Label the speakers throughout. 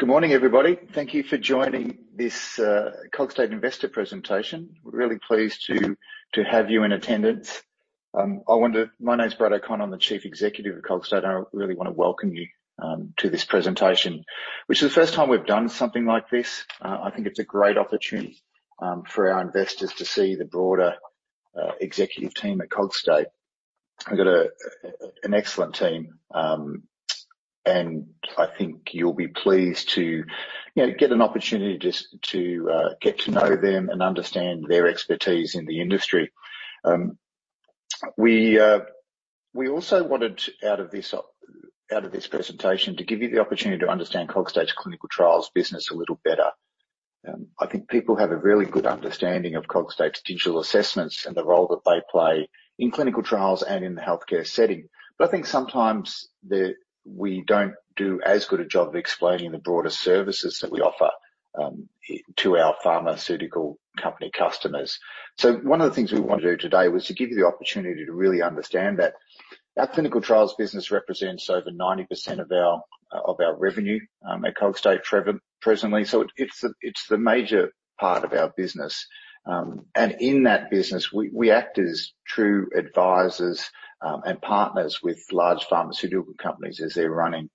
Speaker 1: Good morning, everybody. Thank you for joining this Cogstate investor presentation. We're really pleased to have you in attendance. My name is Brad O'Connor. I'm the Chief Executive of Cogstate. I really want to welcome you to this presentation, which is the first time we've done something like this. I think it's a great opportunity for our investors to see the broader executive team at Cogstate. We've got an excellent team, and I think you'll be pleased to, you know, get an opportunity just to get to know them and understand their expertise in the industry. We also wanted out of this presentation to give you the opportunity to understand Cogstate's clinical trials business a little better. I think people have a really good understanding of Cogstate's digital assessments and the role that they play in clinical trials and in the healthcare setting. But I think sometimes we don't do as good a job of explaining the broader services that we offer to our pharmaceutical company customers. So one of the things we want to do today was to give you the opportunity to really understand that. Our clinical trials business represents over 90% of our revenue at Cogstate presently. So it's the major part of our business. And in that business, we act as true advisors and partners with large pharmaceutical companies as they're running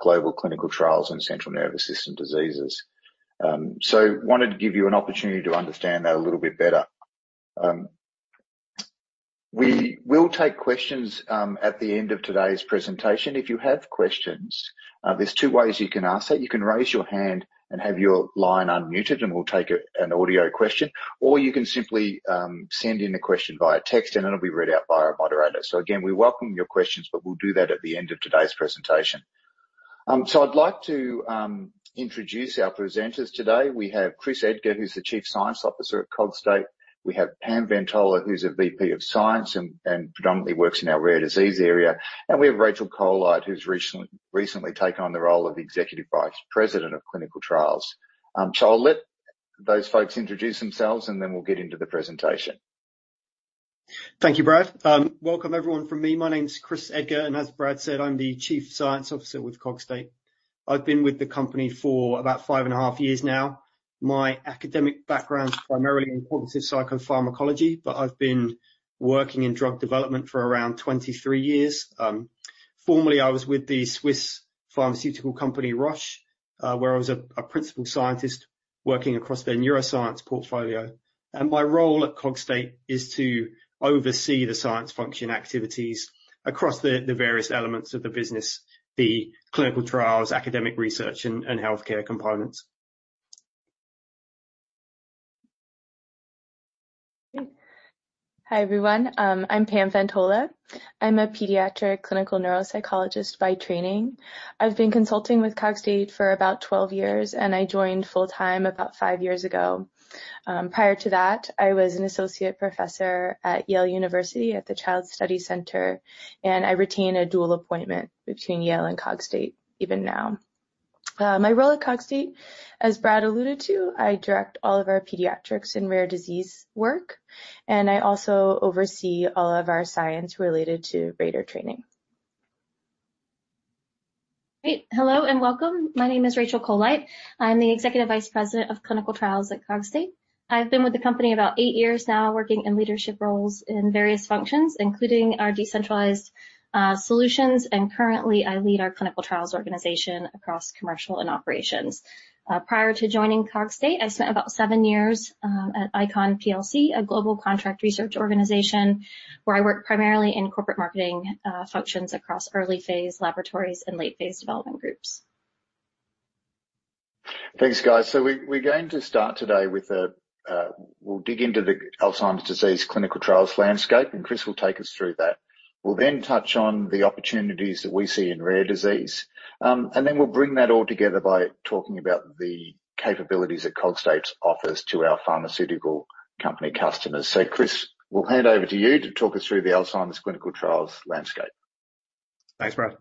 Speaker 1: global clinical trials and central nervous system diseases. So wanted to give you an opportunity to understand that a little bit better. We will take questions at the end of today's presentation. If you have questions, there's two ways you can ask that. You can raise your hand and have your line unmuted, and we'll take a, an audio question, or you can simply send in a question via text, and it'll be read out by our moderator. Again, we welcome your questions, but we'll do that at the end of today's presentation. I'd like to introduce our presenters today. We have Chris Edgar, who's the Chief Science Officer at Cogstate. We have Pam Ventola, who's a VP of Science and predominantly works in our rare disease area. We have Rachel Colite, who's recently, recently taken on the role of Executive Vice President of Clinical Trials. I'll let those folks introduce themselves, and then we'll get into the presentation.
Speaker 2: Thank you, Brad. Welcome, everyone, from me. My name is Chris Edgar, and as Brad said, I'm the Chief Science Officer with Cogstate. I've been with the company for about five and a half years now. My academic background is primarily in cognitive psychopharmacology, but I've been working in drug development for around 23 years. Formerly, I was with the Swiss pharmaceutical company, Roche, where I was a principal scientist working across their neuroscience portfolio. And my role at Cogstate is to oversee the science function activities across the various elements of the business, the clinical trials, academic research, and healthcare components.
Speaker 3: Hi, everyone. I'm Pam Ventola. I'm a pediatric clinical neuropsychologist by training. I've been consulting with Cogstate for about 12 years, and I joined full-time about five years ago. Prior to that, I was an associate professor at Yale University at the Child Study Center, and I retain a dual appointment between Yale and Cogstate, even now. My role at Cogstate, as Brad alluded to, I direct all of our pediatrics and rare disease work, and I also oversee all of our science related to rater training.
Speaker 4: Great! Hello, and welcome. My name is Rachel Colite. I'm the Executive Vice President of Clinical Trials at Cogstate. I've been with the company about eight years now, working in leadership roles in various functions, including our decentralized solutions, and currently, I lead our clinical trials organization across commercial and operations. Prior to joining Cogstate, I spent about seven years at ICON plc, a global contract research organization, where I worked primarily in corporate marketing functions across early-phase laboratories and late-phase development groups.
Speaker 1: Thanks, guys. So we're going to start today with we'll dig into the Alzheimer's disease clinical trials landscape, and Chris will take us through that. We'll then touch on the opportunities that we see in rare disease. And then we'll bring that all together by talking about the capabilities that Cogstate offers to our pharmaceutical company customers. So, Chris, we'll hand over to you to talk us through the Alzheimer's clinical trials landscape.
Speaker 2: Thanks, Brad.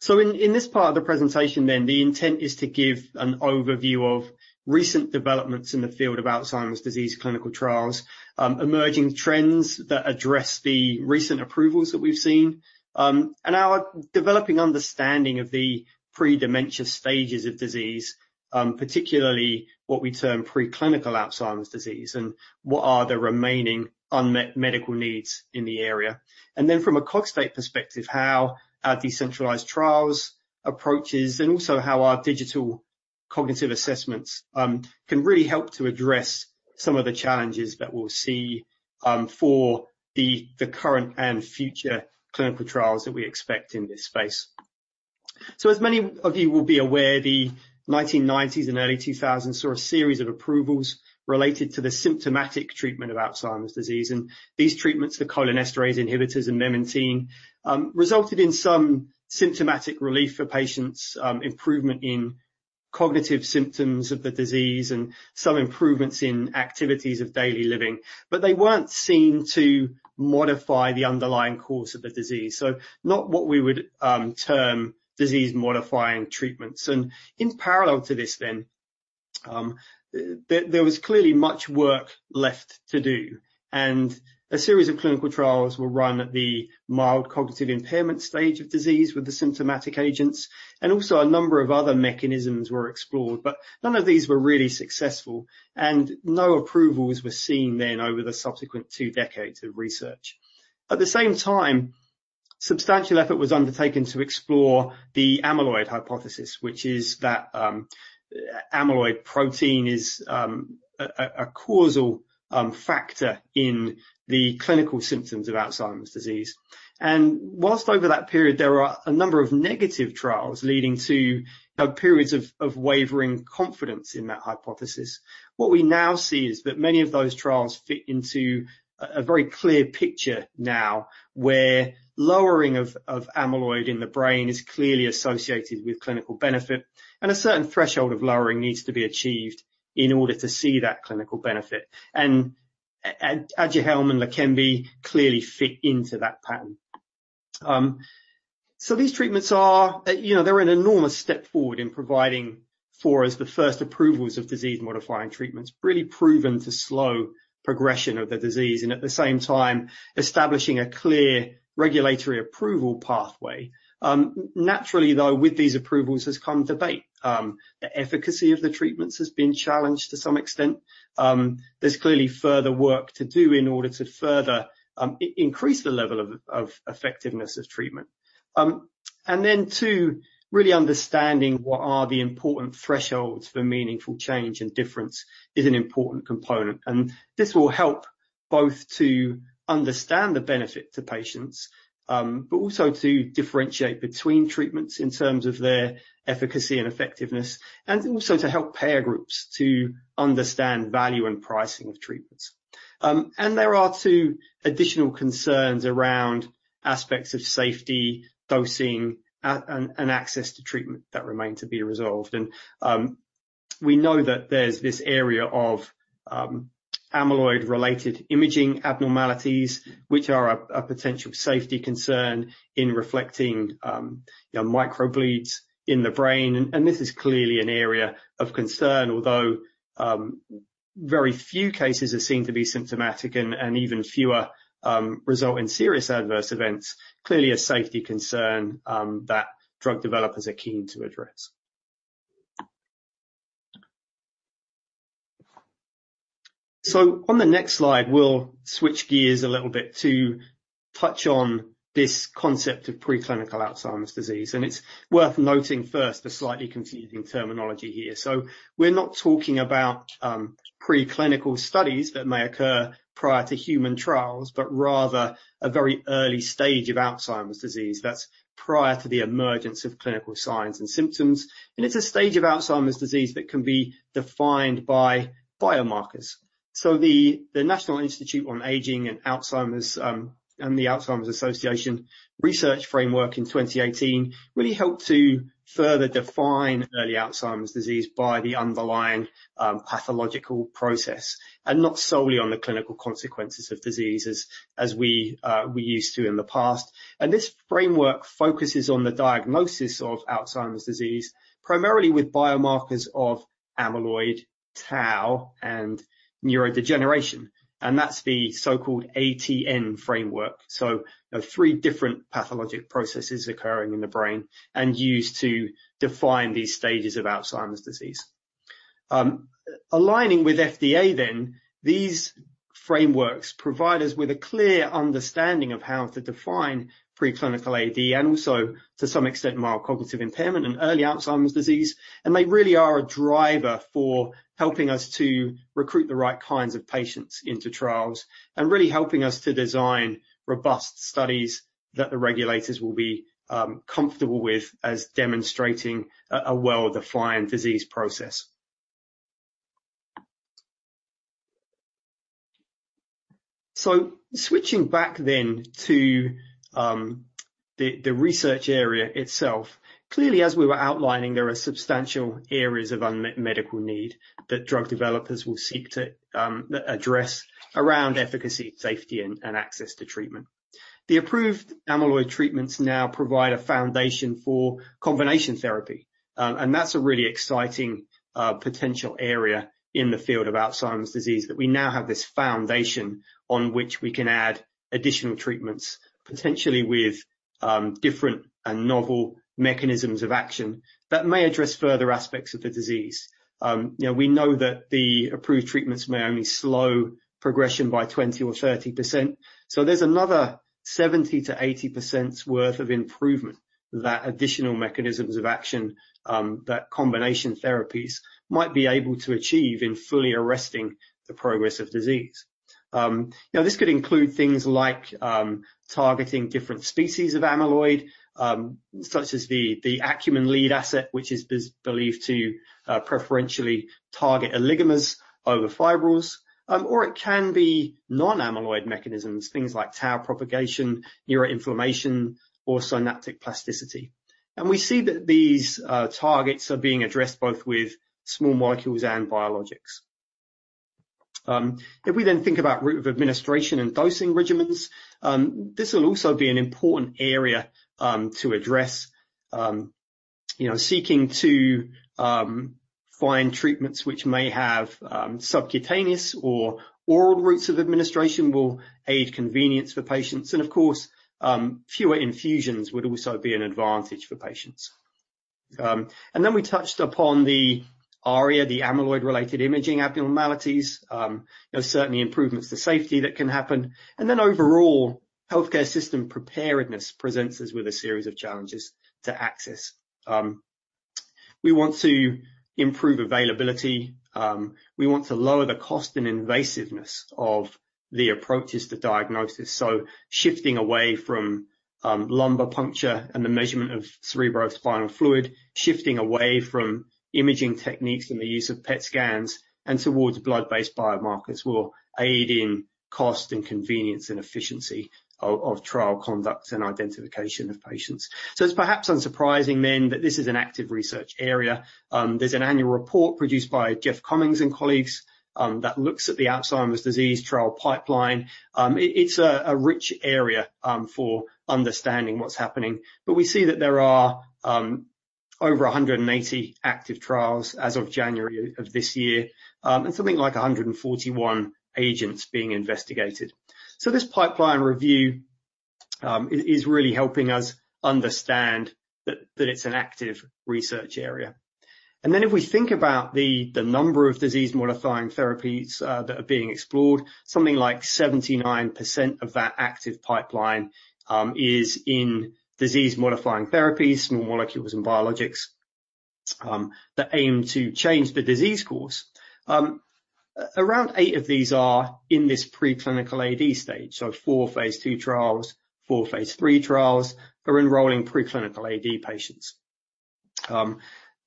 Speaker 2: So in this part of the presentation, then, the intent is to give an overview of recent developments in the field of Alzheimer's disease clinical trials, emerging trends that address the recent approvals that we've seen, and our developing understanding of the pre-dementia stages of disease, particularly what we term preclinical Alzheimer's disease, and what are the remaining unmet medical needs in the area. And then from a Cogstate perspective, how our decentralized trials approaches, and also how our digital cognitive assessments, can really help to address some of the challenges that we'll see, for the current and future clinical trials that we expect in this space. So as many of you will be aware, the 1990s and early 2000s saw a series of approvals related to the symptomatic treatment of Alzheimer's disease, and these treatments, the cholinesterase inhibitors and memantine, resulted in some symptomatic relief for patients, improvement in cognitive symptoms of the disease, and some improvements in activities of daily living. But they weren't seen to modify the underlying cause of the disease, so not what we would term disease-modifying treatments. And in parallel to this, there was clearly much work left to do, and a series of clinical trials were run at the mild cognitive impairment stage of disease with the symptomatic agents, and also a number of other mechanisms were explored, but none of these were really successful, and no approvals were seen then over the subsequent two decades of research. At the same time, substantial effort was undertaken to explore the amyloid hypothesis, which is that amyloid protein is a causal factor in the clinical symptoms of Alzheimer's disease. Whilst over that period, there are a number of negative trials leading to, you know, periods of wavering confidence in that hypothesis, what we now see is that many of those trials fit into a very clear picture now, where lowering of amyloid in the brain is clearly associated with clinical benefit, and a certain threshold of lowering needs to be achieved in order to see that clinical benefit. Aduhelm and Leqembi clearly fit into that pattern. These treatments are, you know, they're an enormous step forward in providing for us the first approvals of disease-modifying treatments, really proven to slow progression of the disease, and at the same time, establishing a clear regulatory approval pathway. Naturally, though, with these approvals has come debate. The efficacy of the treatments has been challenged to some extent. There's clearly further work to do in order to further increase the level of, of effectiveness of treatment. Then, too, really understanding what are the important thresholds for meaningful change and difference is an important component, and this will help both to understand the benefit to patients, but also to differentiate between treatments in terms of their efficacy and effectiveness, and also to help payer groups to understand value and pricing of treatments. There are two additional concerns around aspects of safety, dosing, and access to treatment that remain to be resolved. We know that there's this area of amyloid-related imaging abnormalities, which are a potential safety concern in reflecting microbleeds in the brain. This is clearly an area of concern, although very few cases are seen to be symptomatic and even fewer result in serious adverse events. Clearly, a safety concern that drug developers are keen to address. On the next slide, we'll switch gears a little bit to touch on this concept of preclinical Alzheimer's disease, and it's worth noting first, the slightly confusing terminology here. So we're not talking about preclinical studies that may occur prior to human trials, but rather a very early stage of Alzheimer's disease that's prior to the emergence of clinical signs and symptoms, and it's a stage of Alzheimer's disease that can be defined by biomarkers. So the National Institute on Aging and Alzheimer's and the Alzheimer's Association research framework in 2018 really helped to further define early Alzheimer's disease by the underlying pathological process, and not solely on the clinical consequences of diseases as we used to in the past. And this framework focuses on the diagnosis of Alzheimer's disease, primarily with biomarkers of amyloid, tau, and neurodegeneration, and that's the so-called ATN framework. So the three different pathologic processes occurring in the brain and used to define these stages of Alzheimer's disease. Aligning with FDA then, these frameworks provide us with a clear understanding of how to define preclinical AD, and also to some extent, mild cognitive impairment and early Alzheimer's disease. They really are a driver for helping us to recruit the right kinds of patients into trials and really helping us to design robust studies that the regulators will be comfortable with as demonstrating a well-defined disease process. Switching back then to the research area itself, clearly, as we were outlining, there are substantial areas of unmet medical need that drug developers will seek to address around efficacy, safety, and access to treatment. The approved amyloid treatments now provide a foundation for combination therapy, and that's a really exciting potential area in the field of Alzheimer's disease. That we now have this foundation on which we can add additional treatments, potentially with different and novel mechanisms of action that may address further aspects of the disease. You know, we know that the approved treatments may only slow progression by 20 or 30%, so there's another 70%-80%'s worth of improvement that additional mechanisms of action that combination therapies might be able to achieve in fully arresting the progress of disease. Now, this could include things like targeting different species of amyloid, such as the Acumen lead asset, which is believed to preferentially target oligomers over fibrils. Or it can be non-amyloid mechanisms, things like tau propagation, neuroinflammation, or synaptic plasticity. And we see that these targets are being addressed both with small molecules and biologics. If we then think about route of administration and dosing regimens, this will also be an important area to address. You know, seeking to find treatments which may have subcutaneous or oral routes of administration will aid convenience for patients, and of course, fewer infusions would also be an advantage for patients. We touched upon the ARIA, the amyloid-related imaging abnormalities. There are certainly improvements to safety that can happen, and overall, healthcare system preparedness presents us with a series of challenges to access. We want to improve availability. We want to lower the cost and invasiveness of the approaches to diagnosis. So shifting away from lumbar puncture and the measurement of cerebrospinal fluid, shifting away from imaging techniques and the use of PET scans, and towards blood-based biomarkers will aid in cost and convenience and efficiency of trial conduct and identification of patients. So it's perhaps unsurprising then that this is an active research area. There's an annual report produced by Jeff Cummings and colleagues that looks at the Alzheimer's disease trial pipeline. It's a rich area for understanding what's happening, but we see that there are over 180 active trials as of January of this year, and something like 141 agents being investigated. So this pipeline review is really helping us understand that it's an active research area. If we think about the number of disease-modifying therapies that are being explored, something like 79% of that active pipeline is in disease-modifying therapies, small molecules, and biologics that aim to change the disease course. Around eight of these are in this preclinical AD stage, so four phase II trials, four phase III trials are enrolling preclinical AD patients.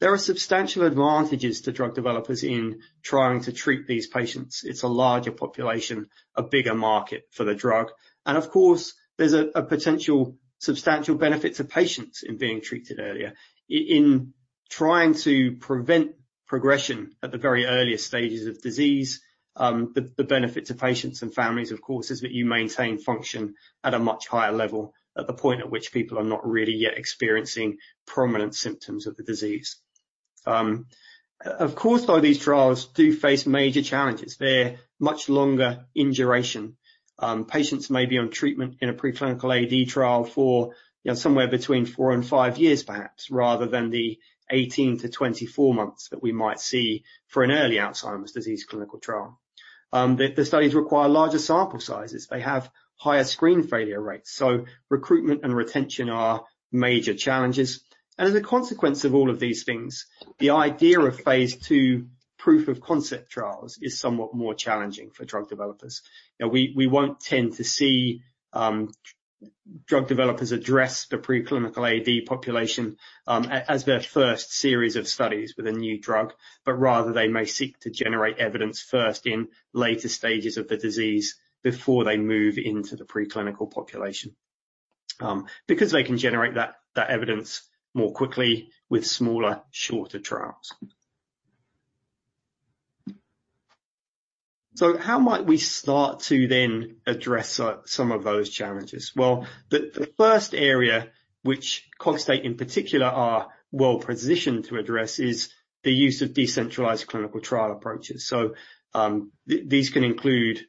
Speaker 2: There are substantial advantages to drug developers in trying to treat these patients. It's a larger population, a bigger market for the drug, and of course, there's a potential substantial benefit to patients in being treated earlier. In trying to prevent progression at the very earliest stages of disease, the benefit to patients and families, of course, is that you maintain function at a much higher level at the point at which people are not really yet experiencing prominent symptoms of the disease. Of course, though, these trials do face major challenges. They're much longer in duration. Patients may be on treatment in a preclinical AD trial for, you know, somewhere between four-five years, perhaps, rather than the 18-24 months that we might see for an early Alzheimer's disease clinical trial. The studies require larger sample sizes. They have higher screen failure rates, so recruitment and retention are major challenges. And as a consequence of all of these things, the idea of phase II proof of concept trials is somewhat more challenging for drug developers. Now, we won't tend to see drug developers address the preclinical AD population as their first series of studies with a new drug, but rather, they may seek to generate evidence first in later stages of the disease before they move into the preclinical population because they can generate that evidence more quickly with smaller, shorter trials. So how might we start to then address some of those challenges? Well, the first area which Cogstate, in particular, are well-positioned to address is the use of decentralized clinical trial approaches. So these can include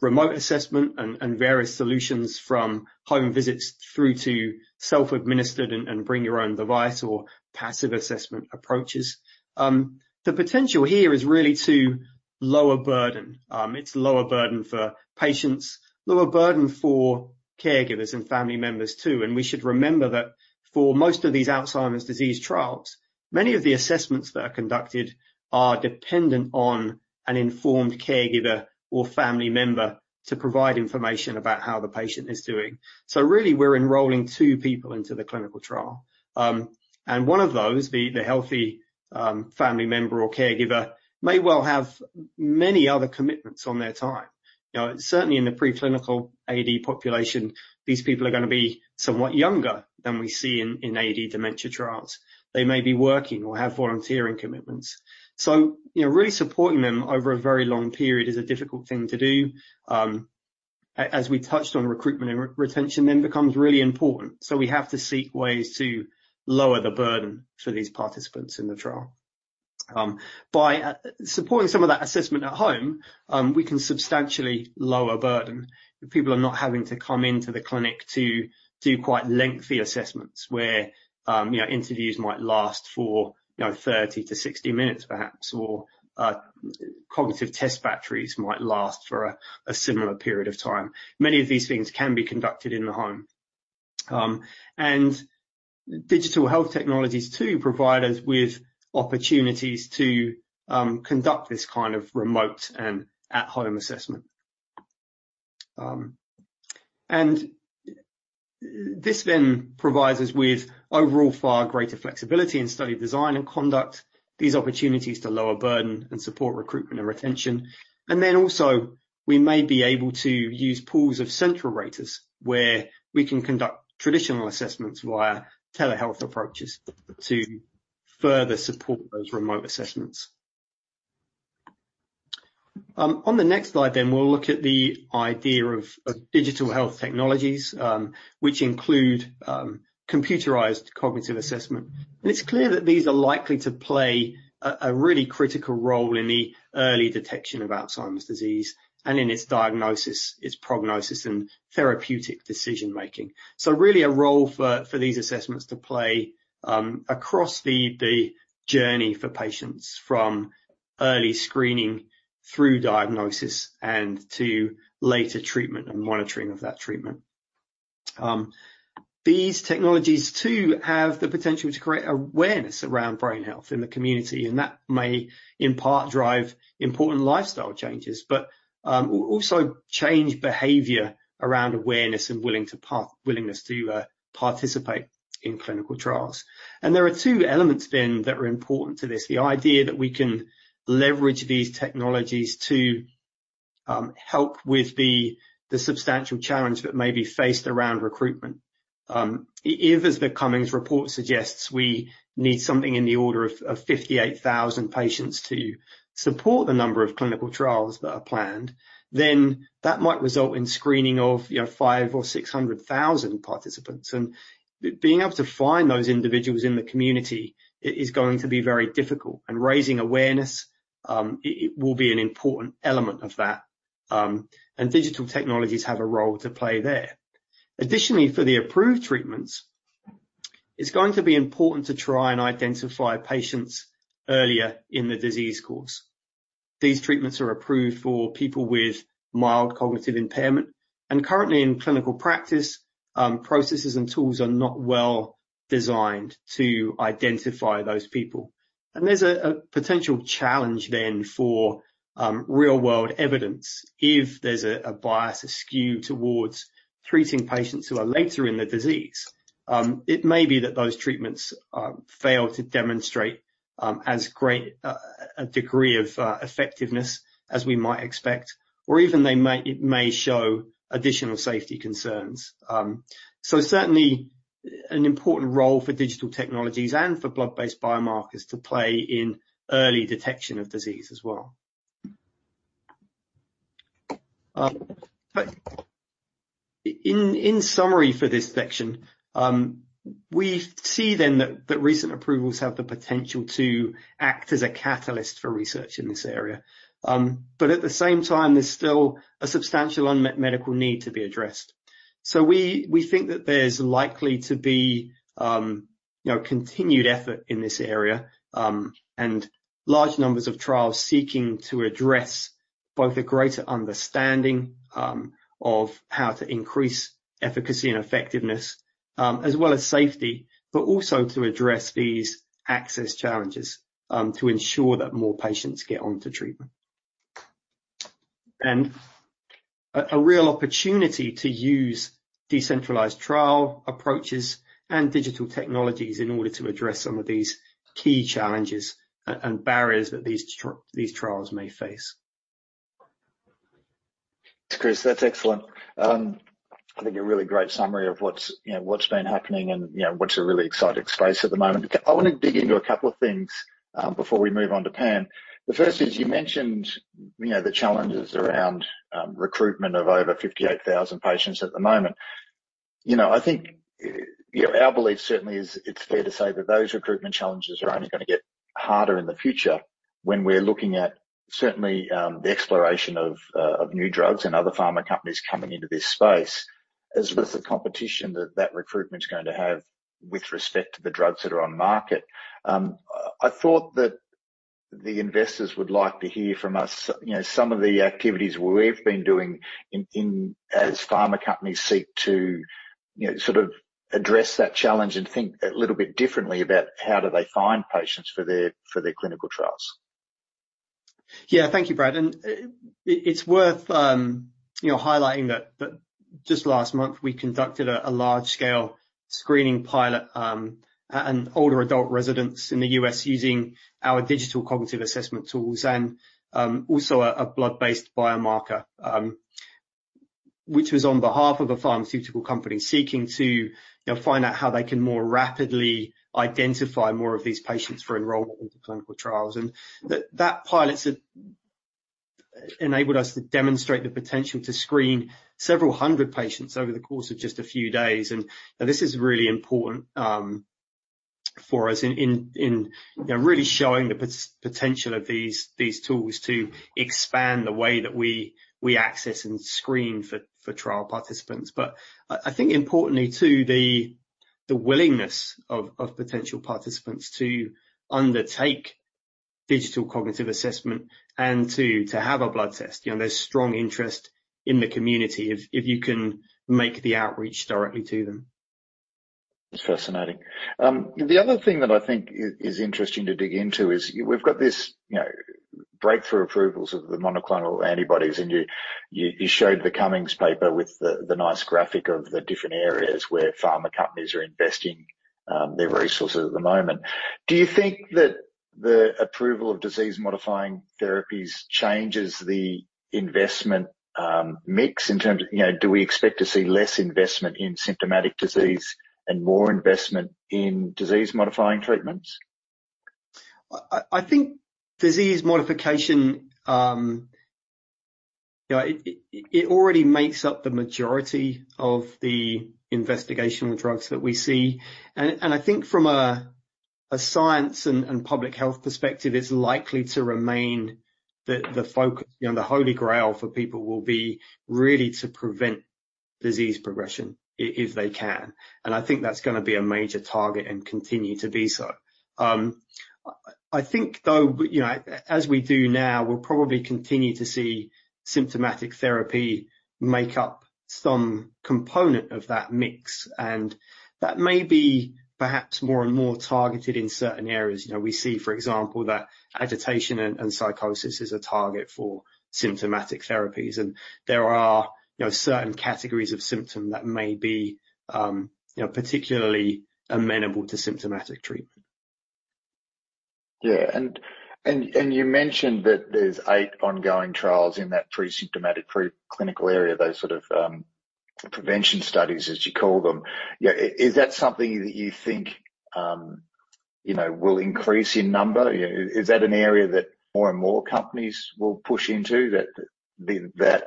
Speaker 2: remote assessment and various solutions from home visits through to self-administered and bring your own device or passive assessment approaches. The potential here is really to lower burden. It's lower burden for patients, lower burden for caregivers and family members, too, and we should remember that for most of these Alzheimer's disease trials, many of the assessments that are conducted are dependent on an informed caregiver or family member to provide information about how the patient is doing. So really, we're enrolling two people into the clinical trial. And one of those, the healthy family member or caregiver, may well have many other commitments on their time. You know, certainly in the preclinical AD population, these people are gonna be somewhat younger than we see in AD dementia trials. They may be working or have volunteering commitments. So, you know, really supporting them over a very long period is a difficult thing to do. As we touched on, recruitment and retention then becomes really important, so we have to seek ways to lower the burden for these participants in the trial. By supporting some of that assessment at home, we can substantially lower burden. People are not having to come into the clinic to do quite lengthy assessments where, you know, interviews might last for, you know, 30-60 minutes, perhaps, or cognitive test batteries might last for a similar period of time. Many of these things can be conducted in the home. And digital health technologies, too, provide us with opportunities to conduct this kind of remote and at-home assessment. And this then provides us with overall far greater flexibility in study design and conduct, these opportunities to lower burden and support recruitment and retention. We may be able to use pools of central raters, where we can conduct traditional assessments via telehealth approaches to further support those remote assessments. On the next slide, we'll look at the idea of digital health technologies, which include computerized cognitive assessment. It's clear that these are likely to play a really critical role in the early detection of Alzheimer's disease and in its diagnosis, its prognosis, and therapeutic decision-making. Really, a role for these assessments to play across the journey for patients from early screening through diagnosis and to later treatment and monitoring of that treatment. These technologies, too, have the potential to create awareness around brain health in the community, and that may, in part, drive important lifestyle changes, but also change behavior around awareness and willingness to participate in clinical trials. There are two elements then that are important to this. The idea that we can leverage these technologies to help with the substantial challenge that may be faced around recruitment. If as the Cummings report suggests, we need something in the order of 58,000 patients to support the number of clinical trials that are planned, then that might result in screening of, you know, 500,000-600,000 participants, and being able to find those individuals in the community is going to be very difficult, and raising awareness, it will be an important element of that, and digital technologies have a role to play there. Additionally, for the approved treatments, it's going to be important to try and identify patients earlier in the disease course. These treatments are approved for people with mild cognitive impairment, and currently in clinical practice, processes and tools are not well designed to identify those people. And there's a potential challenge then for real-world evidence if there's a bias, a skew towards treating patients who are later in the disease. It may be that those treatments fail to demonstrate as great a degree of effectiveness as we might expect, or even they may—it may show additional safety concerns. So certainly an important role for digital technologies and for blood-based biomarkers to play in early detection of disease as well. But in summary for this section, we see then that recent approvals have the potential to act as a catalyst for research in this area. But at the same time, there's still a substantial unmet medical need to be addressed. So we think that there's likely to be, you know, continued effort in this area, and large numbers of trials seeking to address both a greater understanding of how to increase efficacy and effectiveness, as well as safety, but also to address these access challenges, to ensure that more patients get onto treatment. A real opportunity to use decentralized trial approaches and digital technologies in order to address some of these key challenges and barriers that these trials may face.
Speaker 1: Chris, that's excellent. I think a really great summary of what's, you know, what's been happening and, you know, what's a really exciting space at the moment. I want to dig into a couple of things before we move on to Pam. The first is, you mentioned, you know, the challenges around recruitment of over 58,000 patients at the moment. You know, I think, you know, our belief certainly is it's fair to say that those recruitment challenges are only going to get harder in the future when we're looking at certainly the exploration of new drugs and other pharma companies coming into this space, as well as the competition that that recruitment is going to have with respect to the drugs that are on market. I thought that the investors would like to hear from us, you know, some of the activities we've been doing as pharma companies seek to, you know, sort of address that challenge and think a little bit differently about how do they find patients for their, for their clinical trials.
Speaker 2: Yeah, thank you, Brad, and it, it's worth, you know, highlighting that, that just last month, we conducted a large-scale screening pilot, on older adult residents in the U.S. using our digital cognitive assessment tools and, also a blood-based biomarker, which was on behalf of a pharmaceutical company seeking to, you know, find out how they can more rapidly identify more of these patients for enrollment into clinical trials. And that pilot's enabled us to demonstrate the potential to screen several hundred patients over the course of just a few days, and this is really important, for us in, really showing the potential of these tools to expand the way that we access and screen for trial participants. But I think importantly, too, the willingness of potential participants to undertake digital cognitive assessment and to have a blood test, you know, there's strong interest in the community if you can make the outreach directly to them.
Speaker 1: It's fascinating. The other thing that I think is interesting to dig into is we've got this, you know, breakthrough approvals of the monoclonal antibodies, and you showed the Cummings paper with the nice graphic of the different areas where pharma companies are investing their resources at the moment. Do you think that the approval of disease-modifying therapies changes the investment mix in terms of, you know, do we expect to see less investment in symptomatic disease and more investment in disease-modifying treatments?
Speaker 2: I think disease modification, you know, it already makes up the majority of the investigational drugs that we see. And I think from a science and public health perspective, it's likely to remain the focus. You know, the holy grail for people will be really to prevent disease progression if they can, and I think that's gonna be a major target and continue to be so. I think, though, you know, as we do now, we'll probably continue to see symptomatic therapy make up some component of that mix, and that may be perhaps more and more targeted in certain areas. You know, we see, for example, that agitation and psychosis is a target for symptomatic therapies, and there are, you know, certain categories of symptom that may be particularly amenable to symptomatic treatment.
Speaker 1: Yeah, and you mentioned that there's eight ongoing trials in that pre-symptomatic, preclinical area, those sort of prevention studies, as you call them. Yeah, is that something that you think, you know, will increase in number? Is that an area that more and more companies will push into, that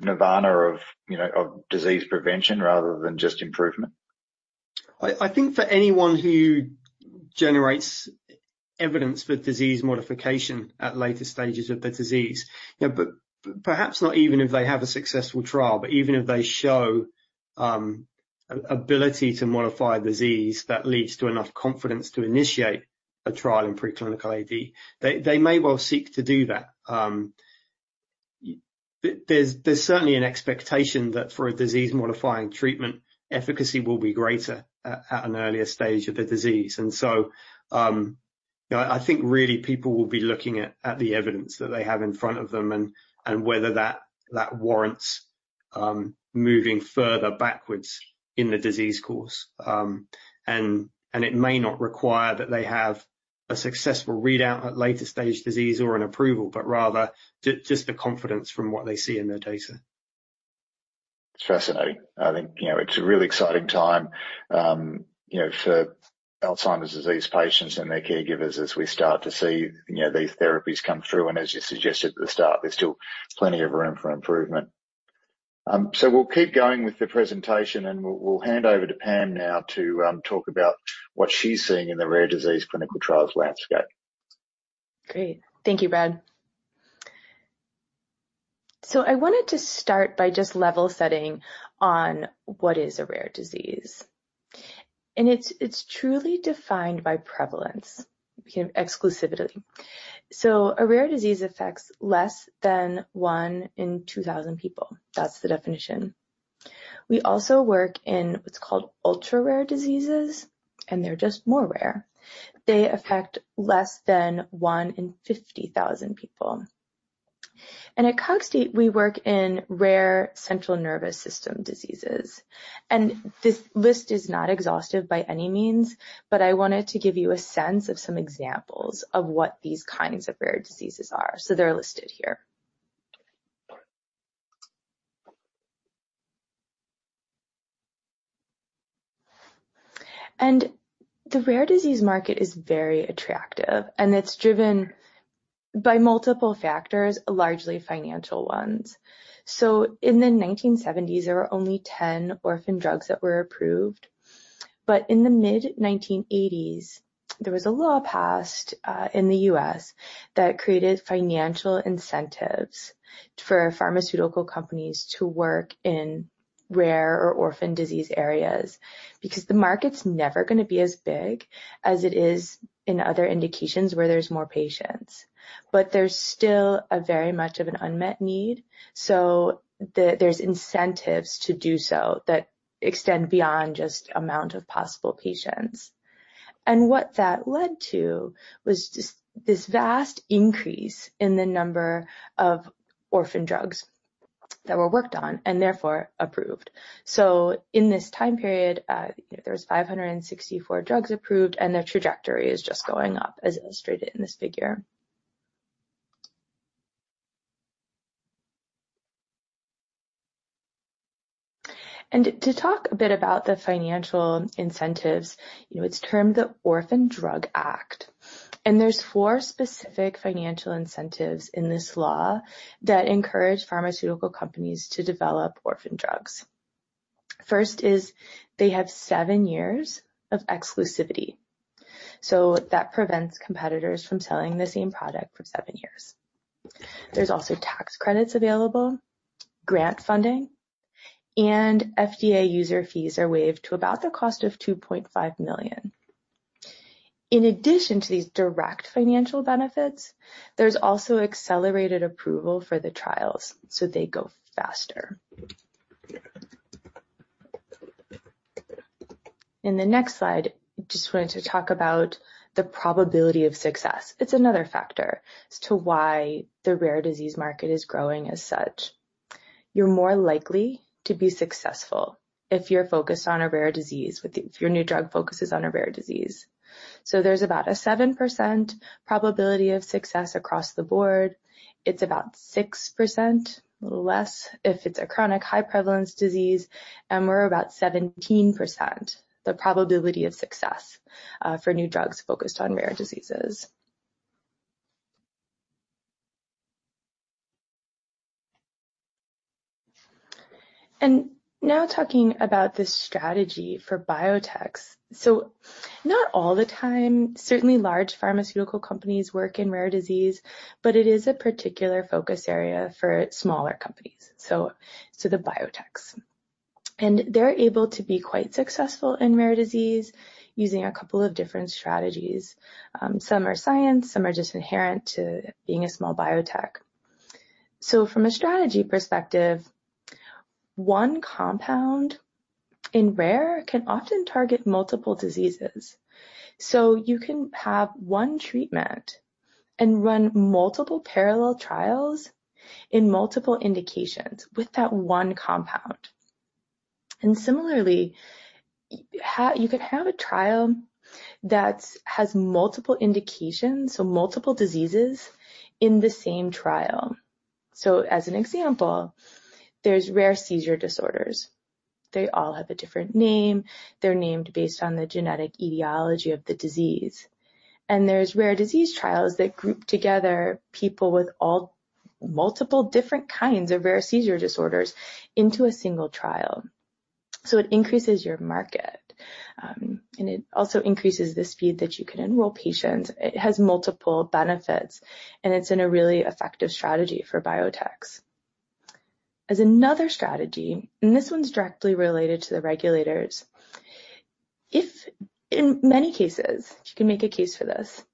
Speaker 1: Nirvana of, you know, of disease prevention rather than just improvement?
Speaker 2: I think for anyone who generates evidence for disease modification at later stages of the disease, you know, but perhaps not even if they have a successful trial, but even if they show ability to modify the disease, that leads to enough confidence to initiate a trial in preclinical AD, they may well seek to do that. There's certainly an expectation that for a disease-modifying treatment, efficacy will be greater at an earlier stage of the disease. And so, you know, I think really people will be looking at the evidence that they have in front of them and whether that warrants moving further backwards in the disease course. And it may not require that they have a successful readout at later stage disease or an approval, but rather just the confidence from what they see in their data.
Speaker 1: It's fascinating. I think, you know, it's a really exciting time, you know, for Alzheimer's disease patients and their caregivers as we start to see, you know, these therapies come through, and as you suggested at the start, there's still plenty of room for improvement. So we'll keep going with the presentation, and we'll hand over to Pam now to talk about what she's seeing in the rare disease clinical trials landscape.
Speaker 3: Great. Thank you, Brad. So I wanted to start by just level setting on what is a rare disease, and it's truly defined by prevalence, you know, exclusively. So a rare disease affects less than one in 2,000 people. That's the definition. We also work in what's called ultra-rare diseases, and they're just more rare. They affect less than 1 in 50,000 people. And at Cogstate, we work in rare central nervous system diseases, and this list is not exhaustive by any means, but I wanted to give you a sense of some examples of what these kinds of rare diseases are. So they're listed here. And the rare disease market is very attractive, and it's driven by multiple factors, largely financial ones. So in the 1970s, there were only 10 orphan drugs that were approved, but in the mid-1980s, there was a law passed in the U.S. that created financial incentives for pharmaceutical companies to work in rare or orphan disease areas. Because the market's never gonna be as big as it is in other indications where there's more patients. But there's still a very much of an unmet need, so there's incentives to do so that extend beyond just amount of possible patients. And what that led to was just this vast increase in the number of orphan drugs that were worked on and therefore approved. So in this time period, you know, there was 564 drugs approved, and their trajectory is just going up, as illustrated in this figure. To talk a bit about the financial incentives, you know, it's termed the Orphan Drug Act, and there's four specific financial incentives in this law that encourage pharmaceutical companies to develop orphan drugs. First is they have seven years of exclusivity, so that prevents competitors from selling the same product for seven years. There's also tax credits available, grant funding, and FDA user fees are waived to about the cost of $2.5 million. In addition to these direct financial benefits, there's also accelerated approval for the trials, so they go faster. In the next slide, just wanted to talk about the probability of success. It's another factor as to why the rare disease market is growing as such.... You're more likely to be successful if you're focused on a rare disease, with if your new drug focuses on a rare disease. So there's about a 7% probability of success across the board. It's about 6%, a little less, if it's a chronic high prevalence disease, and we're about 17% probability of success for new drugs focused on rare diseases. Now talking about this strategy for biotechs. Not all the time, certainly large pharmaceutical companies work in rare disease, but it is a particular focus area for smaller companies, so the biotechs. They're able to be quite successful in rare disease using a couple of different strategies. Some are science, some are just inherent to being a small biotech. So from a strategy perspective, one compound in rare can often target multiple diseases. So you can have one treatment and run multiple parallel trials in multiple indications with that one compound. Similarly, you can have a trial that's has multiple indications, so multiple diseases in the same trial. So as an example, there's rare seizure disorders. They all have a different name. They're named based on the genetic etiology of the disease. And there's rare disease trials that group together people with all multiple different kinds of rare seizure disorders into a single trial. So it increases your market, and it also increases the speed that you can enroll patients. It has multiple benefits, and it's in a really effective strategy for biotechs. As another strategy, and this one's directly related to the regulators: if in many cases, you can make a case for this,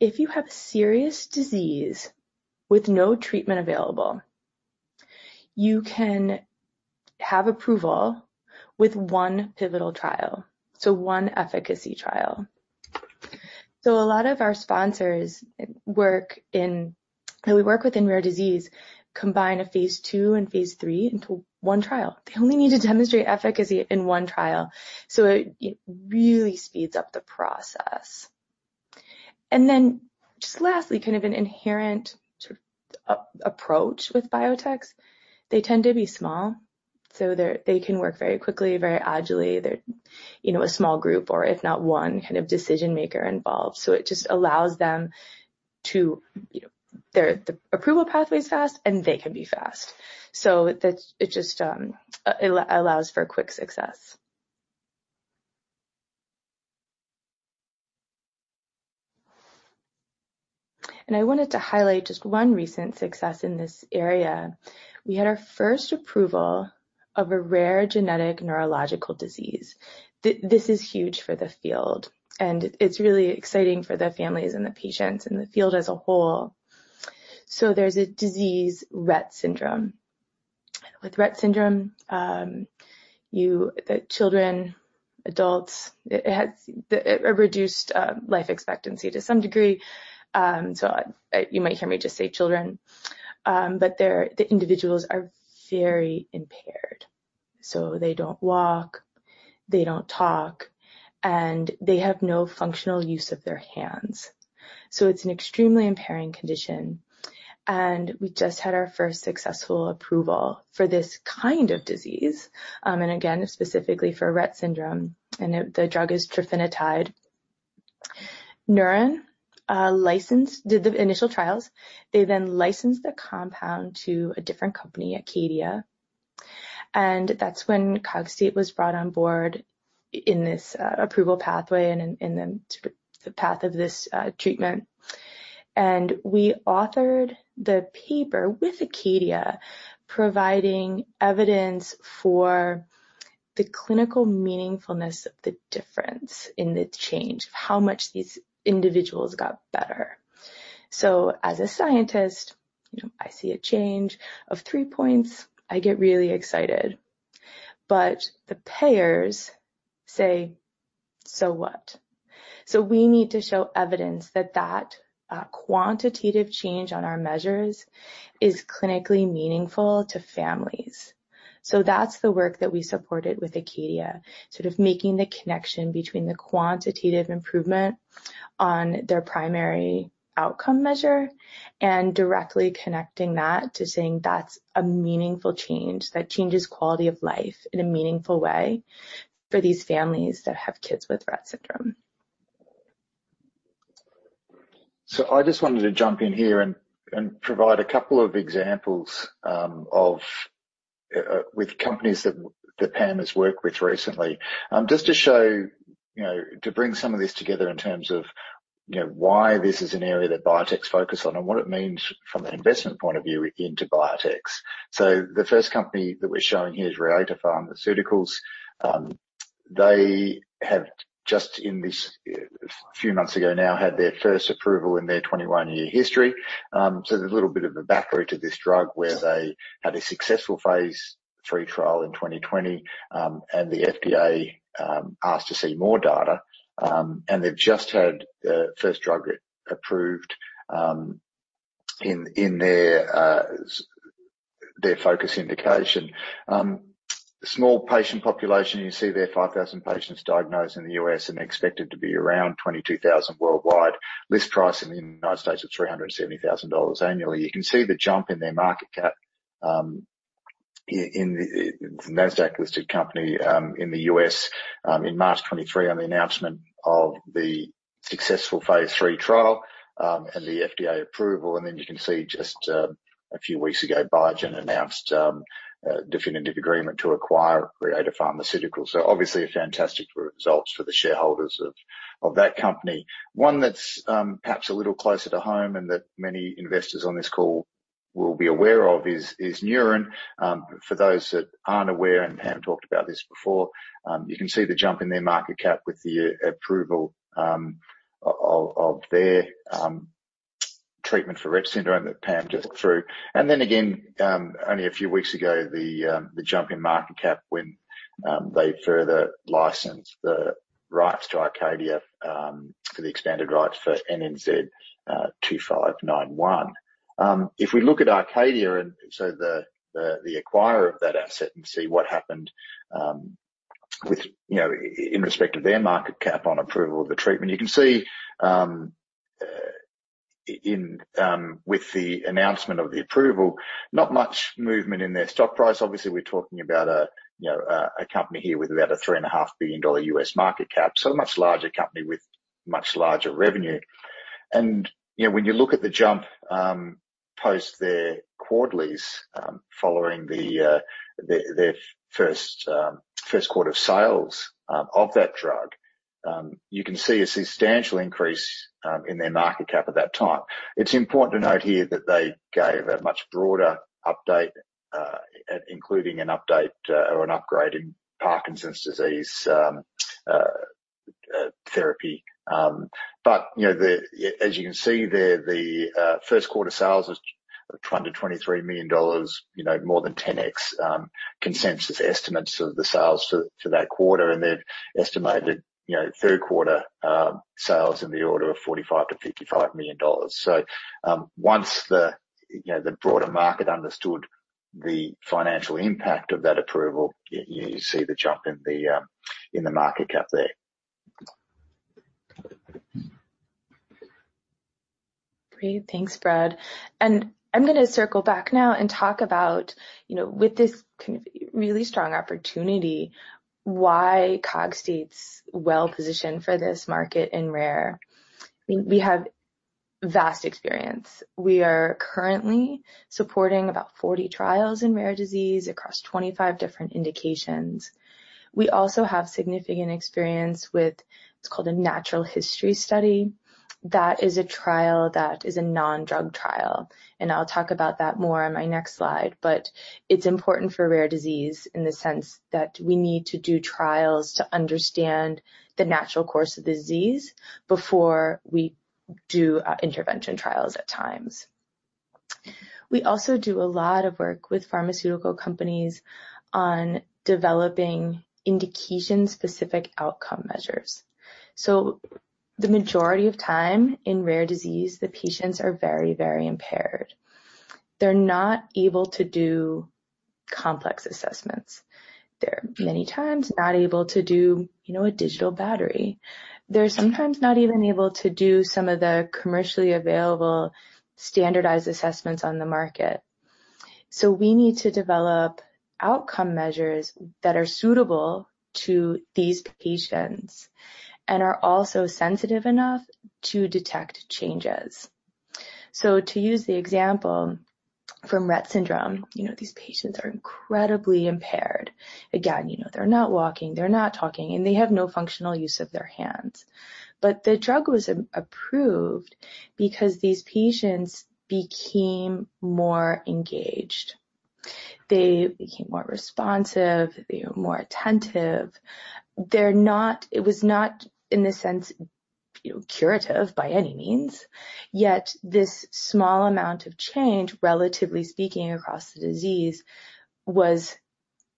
Speaker 3: if you have a serious disease with no treatment available, you can have approval with one pivotal trial, so one efficacy trial. So a lot of our sponsors work in, that we work with in rare disease, combine a phase two and phase three into one trial. They only need to demonstrate efficacy in one trial, so it really speeds up the process. And then, just lastly, kind of an inherent sort of approach with biotechs. They tend to be small, so they're they can work very quickly, very agilely. They're, you know, a small group or if not one, kind of decision-maker involved. So it just allows them to, you know, the approval pathway is fast, and they can be fast. So that's, it just allows for quick success. And I wanted to highlight just one recent success in this area. We had our first approval of a rare genetic neurological disease. This is huge for the field, and it's really exciting for the families and the patients and the field as a whole. So there's a disease, Rett syndrome. With Rett syndrome, the children, adults, it has a reduced life expectancy to some degree, so you might hear me just say children. But the individuals are very impaired, so they don't walk, they don't talk, and they have no functional use of their hands. So it's an extremely impairing condition, and we just had our first successful approval for this kind of disease, and again, specifically for Rett syndrome, and the drug is trofinetide. Neuren licensed... Did the initial trials, they then licensed the compound to a different company, Acadia, and that's when Cogstate was brought on board in this, approval pathway and in, and in the, the path of this, treatment. And we authored the paper with Acadia, providing evidence for the clinical meaningfulness of the difference in the change, of how much these individuals got better. So as a scientist, you know, I see a change of 3 points, I get really excited. But the payers say, "So what?" So we need to show evidence that that, quantitative change on our measures is clinically meaningful to families. That's the work that we supported with Acadia, sort of making the connection between the quantitative improvement on their primary outcome measure and directly connecting that to saying that's a meaningful change, that changes quality of life in a meaningful way for these families that have kids with Rett syndrome.
Speaker 1: I just wanted to jump in here and provide a couple of examples with companies that Pam has worked with recently, just to show, you know, to bring some of this together in terms of, you know, why this is an area that Biotechs focus on and what it means from an investment point of view into Biotechs. The first company that we're showing here is Reata Pharmaceuticals. They have just, a few months ago now, had their first approval in their 21-year history. There's a little bit of a background to this drug, where they had a successful phase-three trial in 2020, and the FDA asked to see more data, and they've just had the first drug approved in their focus indication. Small patient population, you see there, 5,000 patients diagnosed in the U.S., and expected to be around 22,000 worldwide. List price in the United States is $370,000 annually. You can see the jump in their market cap, in, in the NASDAQ-listed company, in the U.S., in March 2023, on the announcement of the successful phase III trial, and the FDA approval. And then you can see just, a few weeks ago, Biogen announced, a definitive agreement to acquire Reata Pharmaceutical. So obviously, a fantastic results for the shareholders of, of that company. One that's, perhaps a little closer to home and that many investors on this call will be aware of is, is Neuren. For those that aren't aware, and Pam talked about this before, you can see the jump in their market cap with the approval of their treatment for Rett syndrome that Pam just went through. And then again, only a few weeks ago, the jump in market cap when they further licensed the rights to Acadia for the expanded rights for NNZ-2591. If we look at Acadia and so the acquirer of that asset and see what happened, with you know, in respect to their market cap on approval of the treatment. You can see, with the announcement of the approval, not much movement in their stock price. Obviously, we're talking about a, you know, company here with about a $3.5 billion U.S. market cap, so a much larger company with much larger revenue. And, you know, when you look at the jump post their quarterlies following their first quarter of sales of that drug, you can see a substantial increase in their market cap at that time. It's important to note here that they gave a much broader update, including an update or an upgrade in Parkinson's disease therapy. But, you know, the... As you can see there, the first quarter sales was $223 million, you know, more than 10x consensus estimates of the sales for that quarter, and they've estimated, you know, third quarter sales in the order of $45-$55 million. So, once the, you know, the broader market understood the financial impact of that approval, you see the jump in the market cap there.
Speaker 3: Great. Thanks, Brad. And I'm gonna circle back now and talk about, you know, with this kind of really strong opportunity, why Cogstate's well-positioned for this market in rare. I mean, we have vast experience. We are currently supporting about 40 trials in rare disease across 25 different indications. We also have significant experience with what's called a natural history study. That is a trial that is a non-drug trial, and I'll talk about that more on my next slide. But it's important for rare disease in the sense that we need to do trials to understand the natural course of the disease before we do intervention trials at times. We also do a lot of work with pharmaceutical companies on developing indication-specific outcome measures. So the majority of time in rare disease, the patients are very, very impaired. They're not able to do complex assessments. They're many times not able to do, you know, a digital battery. They're sometimes not even able to do some of the commercially available standardized assessments on the market. So we need to develop outcome measures that are suitable to these patients and are also sensitive enough to detect changes. So to use the example from Rett syndrome, you know, these patients are incredibly impaired. Again, you know, they're not walking, they're not talking, and they have no functional use of their hands. But the drug was approved because these patients became more engaged. They became more responsive, they were more attentive. It was not, in a sense, you know, curative by any means, yet this small amount of change, relatively speaking, across the disease, was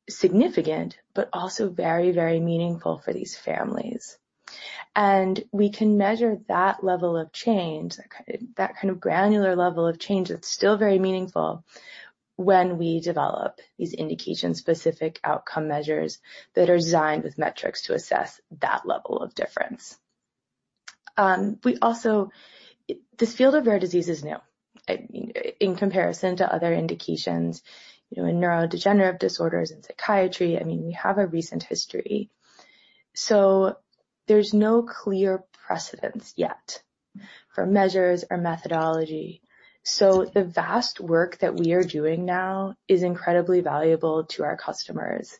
Speaker 3: significant, but also very, very meaningful for these families. And we can measure that level of change, that kind of granular level of change that's still very meaningful when we develop these indication-specific outcome measures that are designed with metrics to assess that level of difference. We also... This field of rare disease is new, in comparison to other indications, you know, in neurodegenerative disorders and psychiatry. I mean, we have a recent history, so there's no clear precedent yet for measures or methodology. So the vast work that we are doing now is incredibly valuable to our customers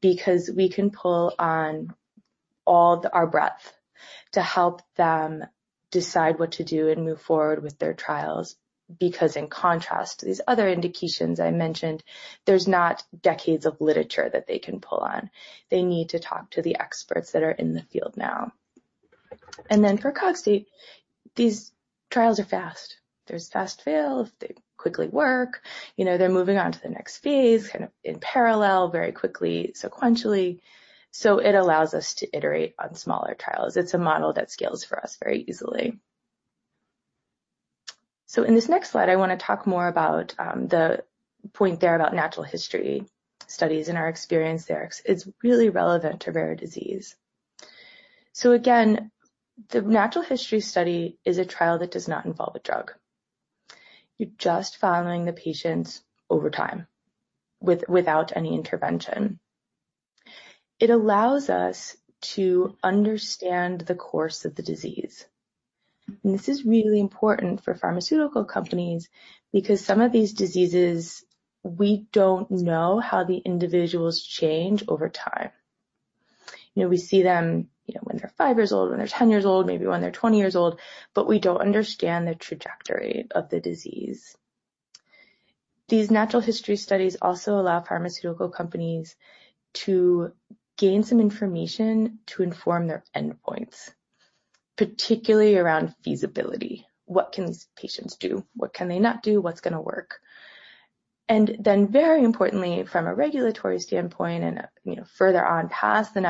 Speaker 3: because we can pull on all our breadth to help them decide what to do and move forward with their trials, because in contrast to these other indications I mentioned, there's not decades of literature that they can pull on. They need to talk to the experts that are in the field now... And then for Cogstate, these trials are fast. There's fast fails, they quickly work, you know, they're moving on to the next phase, kind of in parallel, very quickly, sequentially. So it allows us to iterate on smaller trials. It's a model that scales for us very easily. So in this next slide, I want to talk more about the point there about natural history studies and our experience there. It's really relevant to rare disease. So again, the natural history study is a trial that does not involve a drug. You're just following the patients over time, without any intervention. It allows us to understand the course of the disease, and this is really important for pharmaceutical companies because some of these diseases, we don't know how the individuals change over time. You know, we see them, you know, when they're five years old, when they're 10 years old, maybe when they're 20 years old, but we don't understand the trajectory of the disease. These natural history studies also allow pharmaceutical companies to gain some information to inform their endpoints, particularly around feasibility. What can these patients do? What can they not do? What's going to work? And then, very importantly, from a regulatory standpoint and, you know, further on past the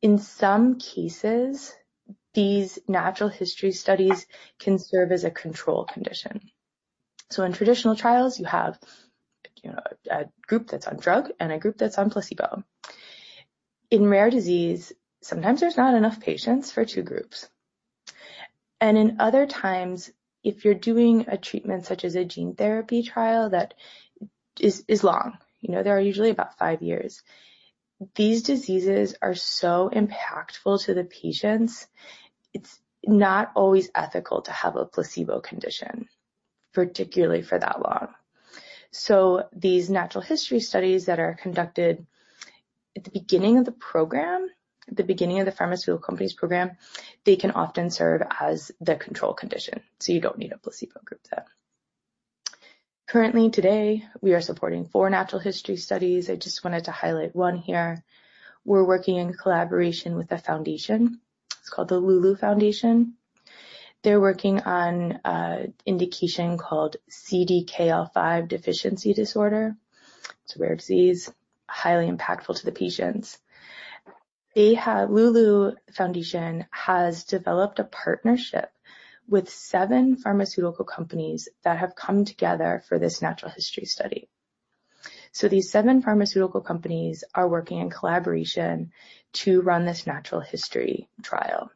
Speaker 3: natural history study, in some cases, these natural history studies can serve as a control condition. So in traditional trials, you have, you know, a group that's on drug and a group that's on placebo. In rare disease, sometimes there's not enough patients for two groups, and in other times, if you're doing a treatment such as a gene therapy trial, that is long, you know, they are usually about five years. These diseases are so impactful to the patients, it's not always ethical to have a placebo condition, particularly for that long. So these natural history studies that are conducted at the beginning of the program, at the beginning of the pharmaceutical companies program, they can often serve as the control condition, so you don't need a placebo group then. Currently, today, we are supporting four natural history studies. I just wanted to highlight one here. We're working in collaboration with a foundation. It's called the Lulu Foundation. They're working on an indication called CDKL5 Deficiency Disorder. It's a rare disease, highly impactful to the patients. The Lulu Foundation has developed a partnership with seven pharmaceutical companies that have come together for this natural history study. So these seven pharmaceutical companies are working in collaboration to run this natural history trial.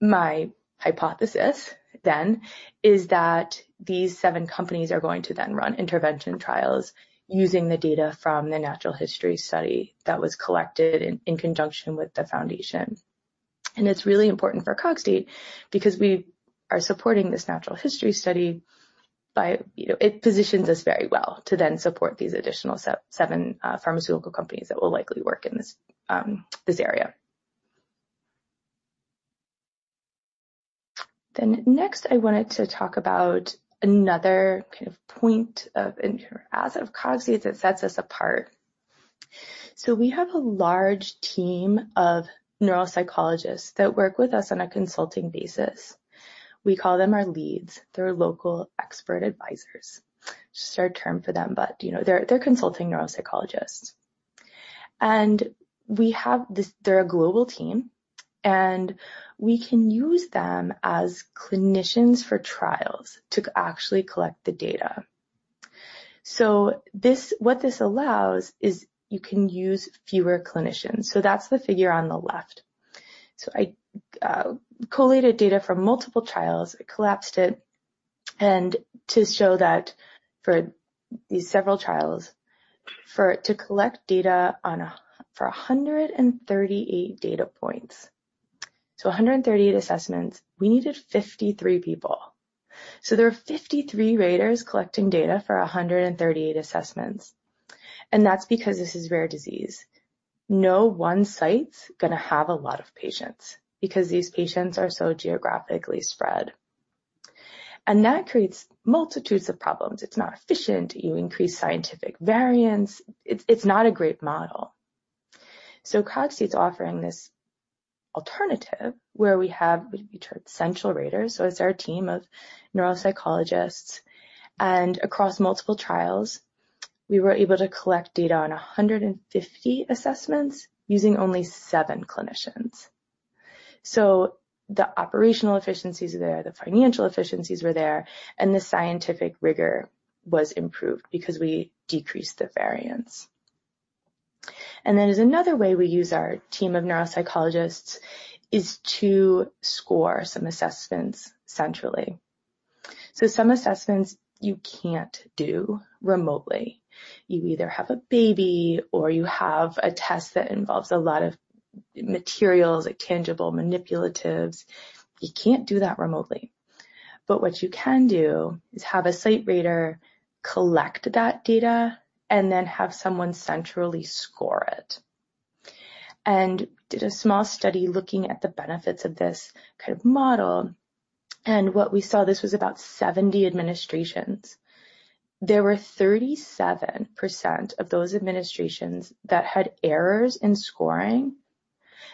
Speaker 3: My hypothesis then, is that these seven companies are going to then run intervention trials using the data from the natural history study that was collected in conjunction with the foundation. And it's really important for Cogstate because we are supporting this natural history study. You know, it positions us very well to then support these additional seven pharmaceutical companies that will likely work in this area. Then next, I wanted to talk about another kind of point of interest asset of Cogstate that sets us apart. So we have a large team of neuropsychologists that work with us on a consulting basis. We call them our leads. They're local expert advisors, just our term for them, but, you know, they're, they're consulting neuropsychologists. And we have this, they're a global team, and we can use them as clinicians for trials to actually collect the data. So this, what this allows, is you can use fewer clinicians. So that's the figure on the left. So I collated data from multiple trials, collapsed it, and to show that for these several trials, to collect data on 138 data points, so 138 assessments, we needed 53 people. So there are 53 raters collecting data for 138 assessments, and that's because this is rare disease. No one site's going to have a lot of patients because these patients are so geographically spread. And that creates multitudes of problems. It's not efficient. You increase scientific variance. It's, it's not a great model. So Cogstate's offering this alternative where we have what we term central raters. So it's our team of neuropsychologists, and across multiple trials, we were able to collect data on 150 assessments using only seven clinicians. So the operational efficiencies are there, the financial efficiencies were there, and the scientific rigor was improved because we decreased the variance. And then there's another way we use our team of neuropsychologists, is to score some assessments centrally. So some assessments you can't do remotely. You either have a baby, or you have a test that involves a lot of materials, like tangible manipulatives. You can't do that remotely, but what you can do is have a site rater collect that data and then have someone centrally score it. And did a small study looking at the benefits of this kind of model... What we saw, this was about 70 administrations. There were 37% of those administrations that had errors in scoring,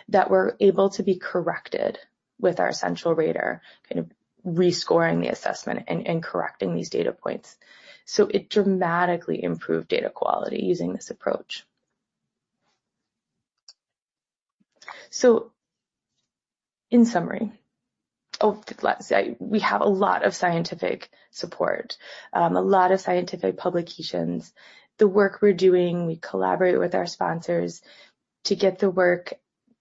Speaker 3: that were able to be corrected with our central rater, kind of rescoring the assessment and correcting these data points. So it dramatically improved data quality using this approach. So in summary, let's say we have a lot of scientific support, a lot of scientific publications. The work we're doing, we collaborate with our sponsors to get the work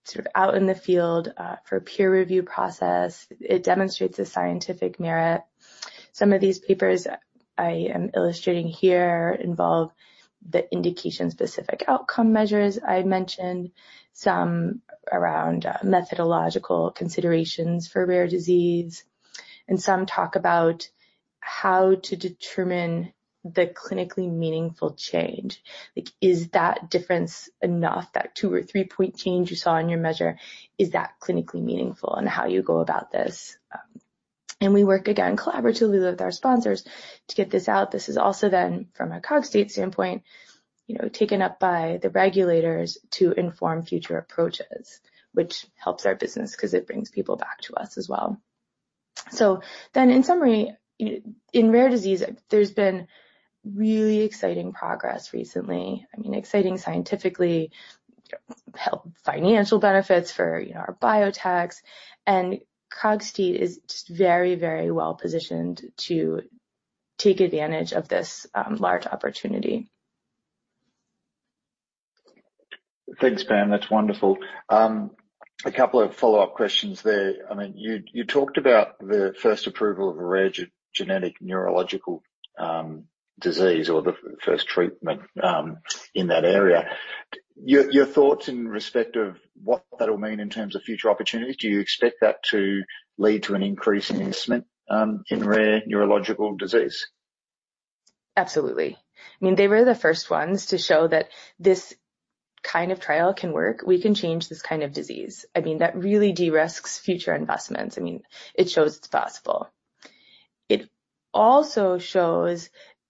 Speaker 3: sort of out in the field, for peer review process. It demonstrates a scientific merit. Some of these papers I am illustrating here involve the indication-specific outcome measures. I mentioned some around methodological considerations for rare disease, and some talk about how to determine the clinically meaningful change. Like, is that difference enough, that two or three-point change you saw in your measure, is that clinically meaningful, and how you go about this? And we work again collaboratively with our sponsors to get this out. This is also then from a Cogstate standpoint, you know, taken up by the regulators to inform future approaches, which helps our business 'cause it brings people back to us as well. So then in summary, in rare disease, there's been really exciting progress recently. I mean, exciting scientifically, huge financial benefits for, you know, our biotechs, and Cogstate is just very, very well positioned to take advantage of this, large opportunity.
Speaker 1: Thanks, Pam. That's wonderful. A couple of follow-up questions there. I mean, you, you talked about the first approval of a rare genetic neurological disease or the first treatment in that area. Your, your thoughts in respect of what that'll mean in terms of future opportunities, do you expect that to lead to an increase in investment in rare neurological disease?
Speaker 3: Absolutely. I mean, they were the first ones to show that this kind of trial can work. We can change this kind of disease. I mean, that really de-risks future investments. I mean, it shows it's possible. It also shows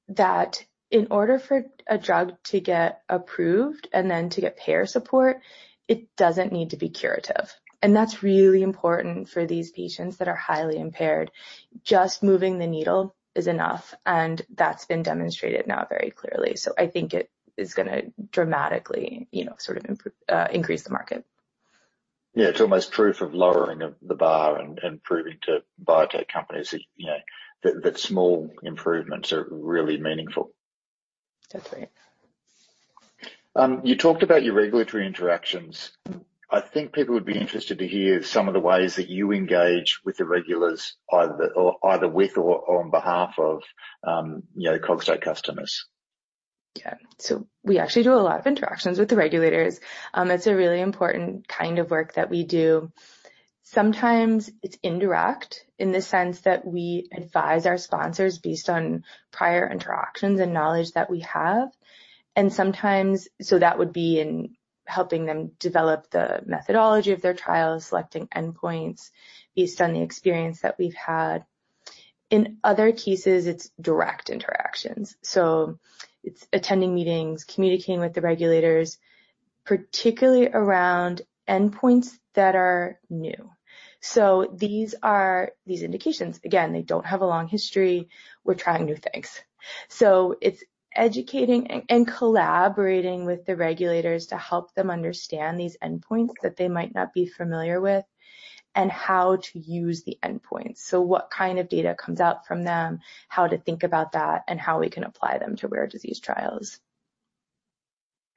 Speaker 3: that in order for a drug to get approved and then to get payer support, it doesn't need to be curative, and that's really important for these patients that are highly impaired. Just moving the needle is enough, and that's been demonstrated now very clearly. So I think it is gonna dramatically, you know, sort of increase the market.
Speaker 1: Yeah, it's almost proof of lowering of the bar and proving to biotech companies that, you know, small improvements are really meaningful.
Speaker 3: That's right.
Speaker 1: You talked about your regulatory interactions. I think people would be interested to hear some of the ways that you engage with the regulators, either with or on behalf of, you know, Cogstate customers.
Speaker 3: Yeah. So we actually do a lot of interactions with the regulators. It's a really important kind of work that we do. Sometimes it's indirect, in the sense that we advise our sponsors based on prior interactions and knowledge that we have, and sometimes. So that would be in helping them develop the methodology of their trials, selecting endpoints based on the experience that we've had. In other cases, it's direct interactions, so it's attending meetings, communicating with the regulators, particularly around endpoints that are new. So these are, these indications, again, they don't have a long history. We're trying new things. So it's educating and collaborating with the regulators to help them understand these endpoints that they might not be familiar with, and how to use the endpoints. What kind of data comes out from them, how to think about that, and how we can apply them to rare disease trials.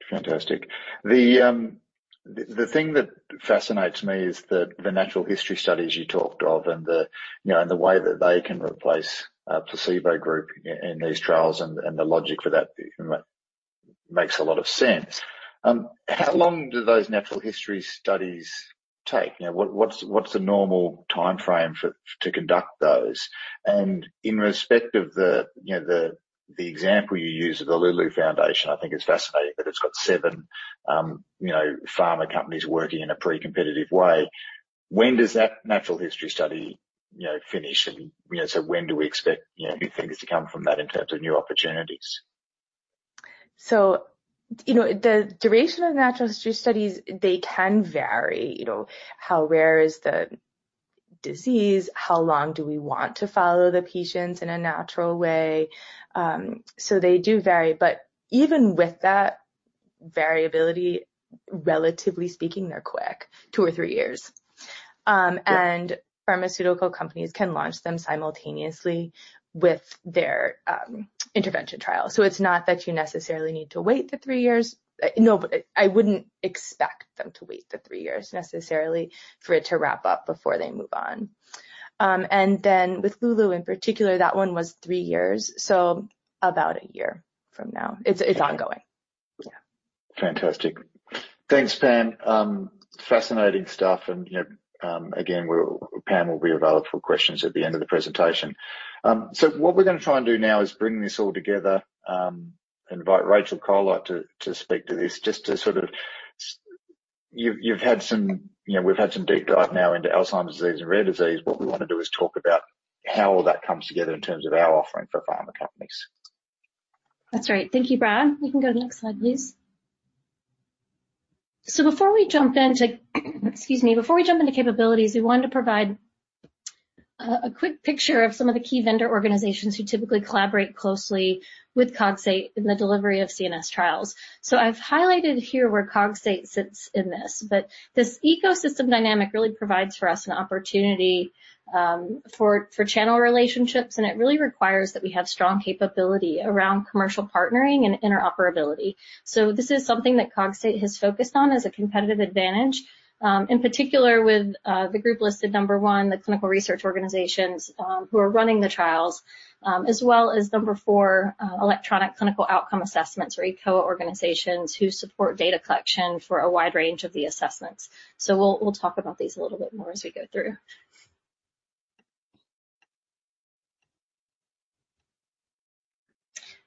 Speaker 1: Fantastic. The thing that fascinates me is the natural history studies you talked of, and you know, and the way that they can replace a placebo group in these trials and the logic for that makes a lot of sense. How long do those natural history studies take? You know, what's the normal timeframe to conduct those? And in respect of the you know, the example you use of the Lulu Foundation, I think it's fascinating that it's got seven you know, pharma companies working in a pretty competitive way. When does that natural history study you know, finish? And you know, so when do we expect you know, new things to come from that in terms of new opportunities?
Speaker 3: So, you know, the duration of natural history studies, they can vary. You know, how rare is the disease? How long do we want to follow the patients in a natural way? So they do vary, but even with that variability, relatively speaking, they're quick, two or three years. And pharmaceutical companies can launch them simultaneously with their, intervention trial. So it's not that you necessarily need to wait the three years. No, but I wouldn't expect them to wait the three years necessarily for it to wrap up before they move on. And then with Lulu in particular, that one was three years, so about one year from now. It's ongoing. Yeah.
Speaker 1: Fantastic. Thanks, Pam. Fascinating stuff, and, you know, again, we're... Pam will be available for questions at the end of the presentation. So what we're gonna try and do now is bring this all together, invite Rachel Colite to, to speak to this, just to sort of-... You've, you've had some, you know, we've had some deep dive now into Alzheimer's disease and rare disease. What we wanna do is talk about how all that comes together in terms of our offering for pharma companies.
Speaker 4: That's right. Thank you, Brad. You can go to the next slide, please. So before we jump into, excuse me, before we jump into capabilities, we wanted to provide a quick picture of some of the key vendor organizations who typically collaborate closely with Cogstate in the delivery of CNS trials. So I've highlighted here where Cogstate sits in this, but this ecosystem dynamic really provides for us an opportunity for channel relationships, and it really requires that we have strong capability around commercial partnering and interoperability. So this is something that Cogstate has focused on as a competitive advantage in particular with the group listed number one, the clinical research organizations who are running the trials as well as number four, electronic clinical outcome assessments or eCOA organizations who support data collection for a wide range of the assessments. So we'll, we'll talk about these a little bit more as we go through.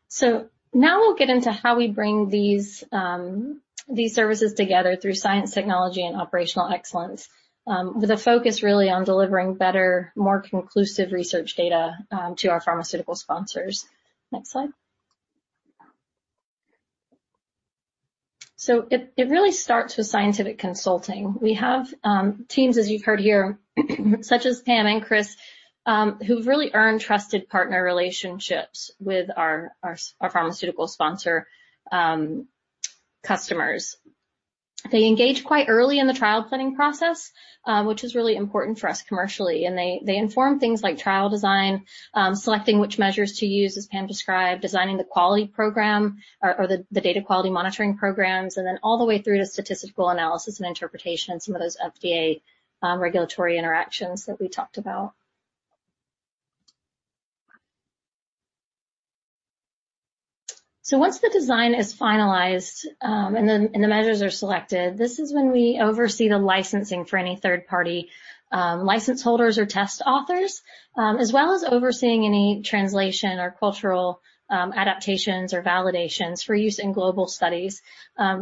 Speaker 4: So now we'll get into how we bring these, these services together through science, technology, and operational excellence, with a focus really on delivering better, more conclusive research data, to our pharmaceutical sponsors. Next slide. So it, it really starts with scientific consulting. We have, teams, as you've heard here, such as Pam and Chris, who've really earned trusted partner relationships with our, our, our pharmaceutical sponsor, customers. They engage quite early in the trial planning process, which is really important for us commercially, and they inform things like trial design, selecting which measures to use, as Pam described, designing the quality program or the data quality monitoring programs, and then all the way through to statistical analysis and interpretation, and some of those FDA regulatory interactions that we talked about. So once the design is finalized, and the measures are selected, this is when we oversee the licensing for any third-party license holders or test authors, as well as overseeing any translation or cultural adaptations or validations for use in global studies.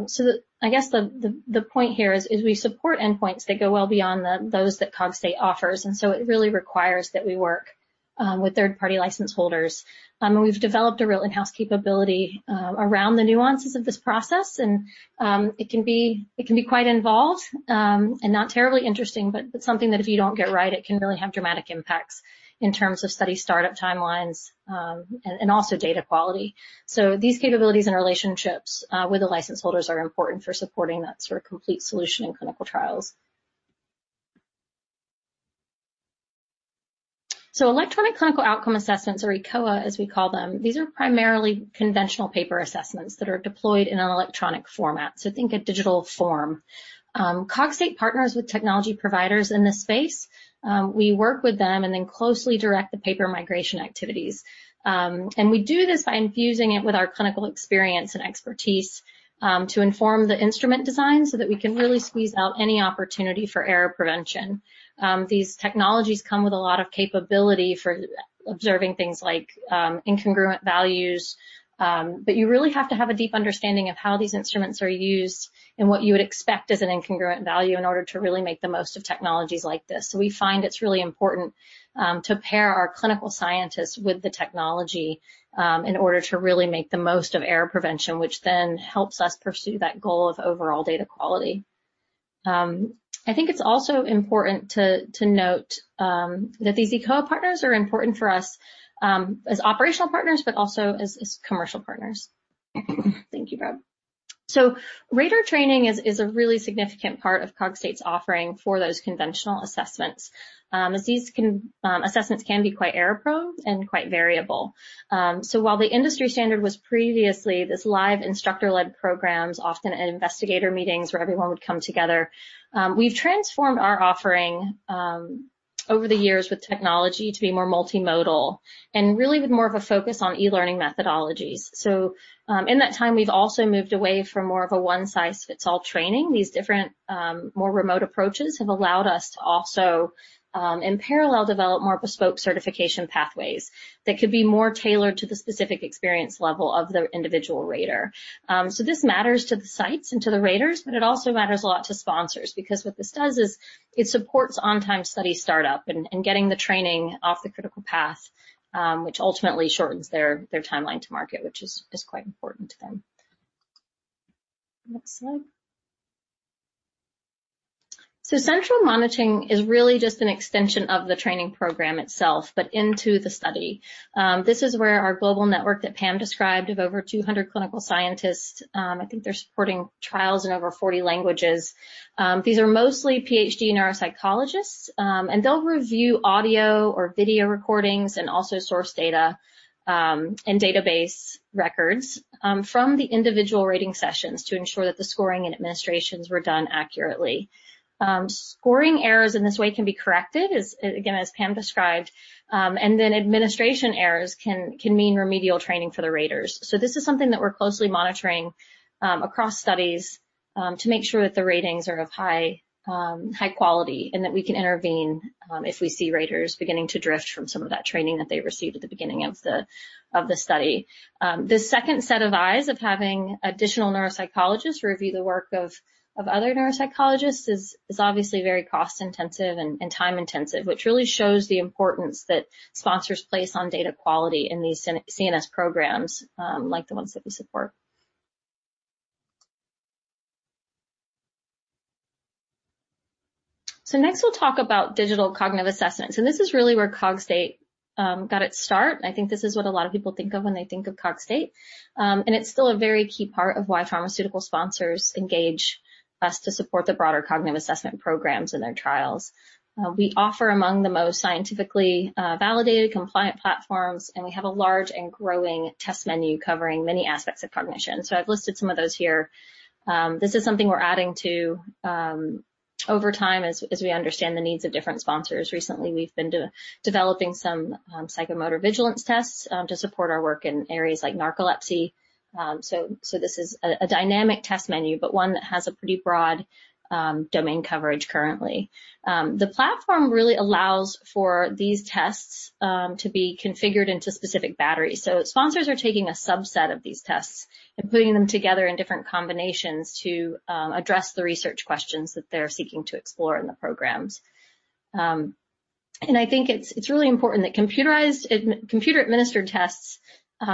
Speaker 4: So, I guess the point here is we support endpoints that go well beyond those that Cogstate offers, and so it really requires that we work with third-party license holders. And we've developed a real in-house capability around the nuances of this process, and it can be quite involved and not terribly interesting, but something that if you don't get right, it can really have dramatic impacts in terms of study startup timelines and also data quality. So these capabilities and relationships with the license holders are important for supporting that sort of complete solution in clinical trials. So electronic clinical outcome assessments or eCOA, as we call them, these are primarily conventional paper assessments that are deployed in an electronic format, so think a digital form. Cogstate partners with technology providers in this space. We work with them and then closely direct the paper migration activities. We do this by infusing it with our clinical experience and expertise to inform the instrument design so that we can really squeeze out any opportunity for error prevention. These technologies come with a lot of capability for observing things like incongruent values, but you really have to have a deep understanding of how these instruments are used and what you would expect as an incongruent value in order to really make the most of technologies like this. So we find it's really important to pair our clinical scientists with the technology in order to really make the most of error prevention, which then helps us pursue that goal of overall data quality. I think it's also important to note that these eCOA partners are important for us as operational partners, but also as commercial partners. Thank you, Brad. So rater training is a really significant part of Cogstate's offering for those conventional assessments, as these assessments can be quite error-prone and quite variable. So while the industry standard was previously this live instructor-led programs, often at investigator meetings where everyone would come together, we've transformed our offering over the years with technology to be more multimodal and really with more of a focus on e-learning methodologies. So in that time, we've also moved away from more of a one-size-fits-all training. These different, more remote approaches have allowed us to also, in parallel, develop more bespoke certification pathways that could be more tailored to the specific experience level of the individual rater. So this matters to the sites and to the raters, but it also matters a lot to sponsors because what this does is, it supports on-time study startup and, and getting the training off the critical path, which ultimately shortens their, their timeline to market, which is, is quite important to them. Next slide. So central monitoring is really just an extension of the training program itself, but into the study. This is where our global network that Pam described of over 200 clinical scientists, I think they're supporting trials in over 40 languages. These are mostly PhD neuropsychologists, and they'll review audio or video recordings and also source data, and database records, from the individual rating sessions to ensure that the scoring and administrations were done accurately. Scoring errors in this way can be corrected, as, again, as Pam described, and then administration errors can mean remedial training for the raters. So this is something that we're closely monitoring across studies to make sure that the ratings are of high quality and that we can intervene if we see raters beginning to drift from some of that training that they received at the beginning of the study. The second set of eyes of having additional neuropsychologists review the work of other neuropsychologists is obviously very cost-intensive and time-intensive, which really shows the importance that sponsors place on data quality in these CNS programs, like the ones that we support. So next, we'll talk about digital cognitive assessments, and this is really where Cogstate got its start. I think this is what a lot of people think of when they think of Cogstate. And it's still a very key part of why pharmaceutical sponsors engage us to support the broader cognitive assessment programs in their trials. We offer among the most scientifically validated compliant platforms, and we have a large and growing test menu covering many aspects of cognition. So I've listed some of those here. This is something we're adding to over time as we understand the needs of different sponsors. Recently, we've been de-developing some psychomotor vigilance tests to support our work in areas like narcolepsy. So this is a dynamic test menu, but one that has a pretty broad domain coverage currently. The platform really allows for these tests to be configured into specific batteries. So sponsors are taking a subset of these tests and putting them together in different combinations to address the research questions that they're seeking to explore in the programs. And I think it's really important that computer-administered tests,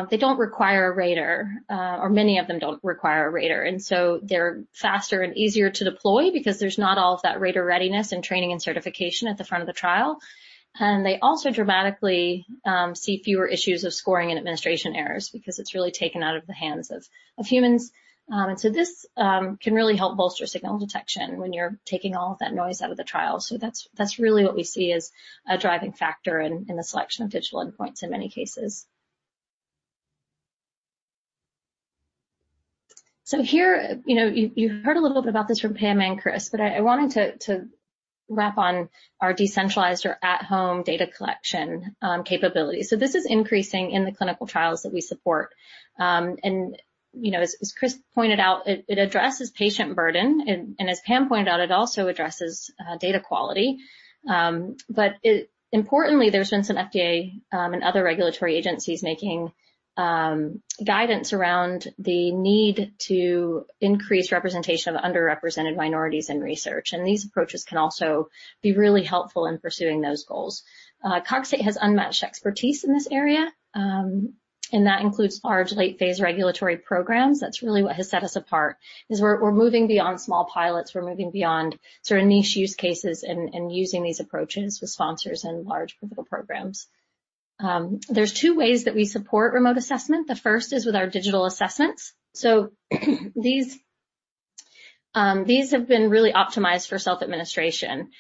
Speaker 4: they don't require a rater, or many of them don't require a rater, and so they're faster and easier to deploy because there's not all of that rater readiness and training and certification at the front of the trial. And they also dramatically see fewer issues of scoring and administration errors because it's really taken out of the hands of humans. And so this can really help bolster signal detection when you're taking all of that noise out of the trial. So that's really what we see as a driving factor in the selection of digital endpoints in many cases. So here, you know, you heard a little bit about this from Pam and Chris, but I wanted to wrap on our decentralized or at-home data collection capabilities. So this is increasing in the clinical trials that we support. And you know, as Chris pointed out, it addresses patient burden, and as Pam pointed out, it also addresses data quality. But it importantly, there's been some FDA and other regulatory agencies making guidance around the need to increase representation of underrepresented minorities in research, and these approaches can also be really helpful in pursuing those goals. Cogstate has unmatched expertise in this area, and that includes large late-phase regulatory programs. That's really what has set us apart, is we're, we're moving beyond small pilots, we're moving beyond certain niche use cases and using these approaches with sponsors in large clinical programs. There's two ways that we support remote assessment. The first is with our digital assessments. These have been really optimized for self-administration,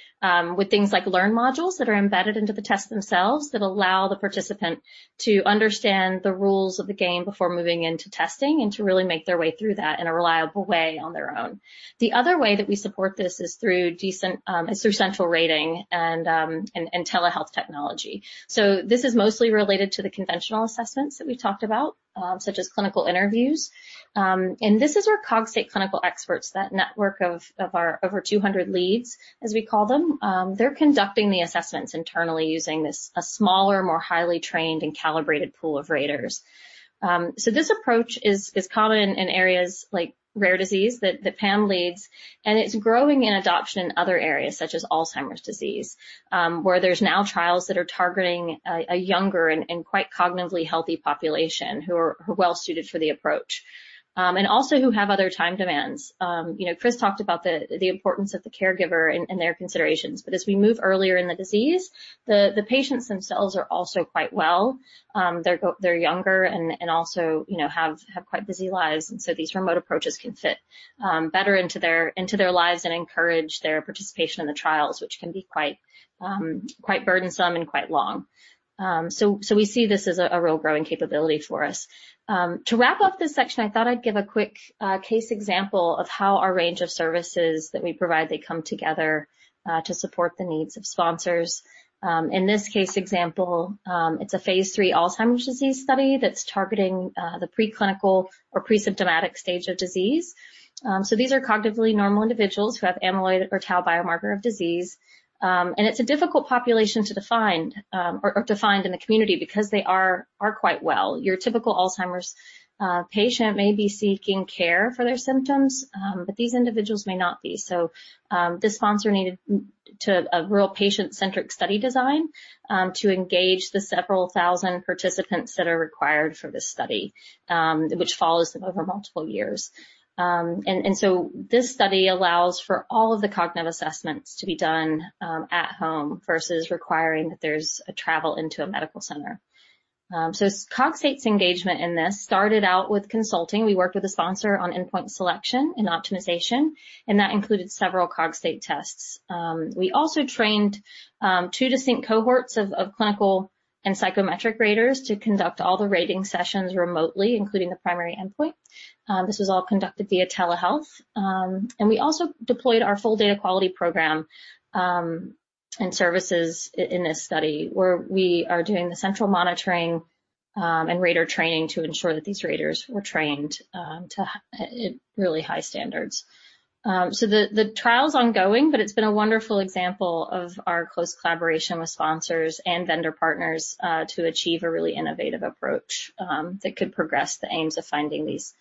Speaker 4: with things like learn modules that are embedded into the test themselves, that allow the participant to understand the rules of the game before moving into testing, and to really make their way through that in a reliable way on their own. The other way that we support this is through central rating and telehealth technology. This is mostly related to the conventional assessments that we've talked about, such as clinical interviews. This is where Cogstate clinical experts, that network of our over 200 leads, as we call them, they're conducting the assessments internally using this, a smaller, more highly trained and calibrated pool of raters. So this approach is common in areas like rare disease, that Pam leads, and it's growing in adoption in other areas, such as Alzheimer's disease, where there's now trials that are targeting a younger and quite cognitively healthy population, who are well suited for the approach, and also who have other time demands. You know, Chris talked about the importance of the caregiver and their considerations. But as we move earlier in the disease, the patients themselves are also quite well. They're younger and also, you know, have quite busy lives, and so these remote approaches can fit better into their lives and encourage their participation in the trials, which can be quite burdensome and quite long. So we see this as a real growing capability for us. To wrap up this section, I thought I'd give a quick case example of how our range of services that we provide, they come together to support the needs of sponsors. In this case example, it's a phase III Alzheimer's disease study that's targeting the preclinical or presymptomatic stage of disease. So these are cognitively normal individuals who have amyloid or tau biomarker of disease, and it's a difficult population to define or to find in the community because they are quite well. Your typical Alzheimer's patient may be seeking care for their symptoms, but these individuals may not be. So the sponsor needed to a real patient-centric study design to engage the several thousand participants that are required for this study, which follows them over multiple years. And so this study allows for all of the cognitive assessments to be done at home versus requiring that there's a travel into a medical center. So Cogstate's engagement in this started out with consulting. We worked with a sponsor on endpoint selection and optimization, and that included several Cogstate tests. We also trained two distinct cohorts of clinical and psychometric raters to conduct all the rating sessions remotely, including the primary endpoint. This was all conducted via telehealth. And we also deployed our full data quality program and services in this study, where we are doing the central monitoring and rater training to ensure that these raters were trained to really high standards. So the trial's ongoing, but it's been a wonderful example of our close collaboration with sponsors and vendor partners to achieve a really innovative approach that could progress the aims of finding this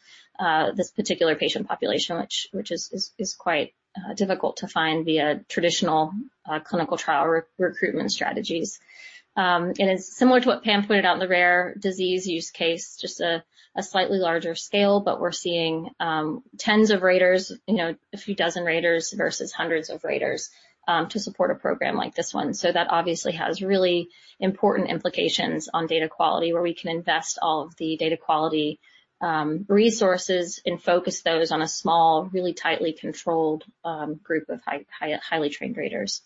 Speaker 4: particular patient population, which is quite difficult to find via traditional clinical trial recruitment strategies. And it's similar to what Pam pointed out in the rare disease use case, just a slightly larger scale, but we're seeing tens of raters, you know, a few dozen raters versus hundreds of raters to support a program like this one. So that obviously has really important implications on data quality, where we can invest all of the data quality resources and focus those on a small, really tightly controlled group of highly trained raters.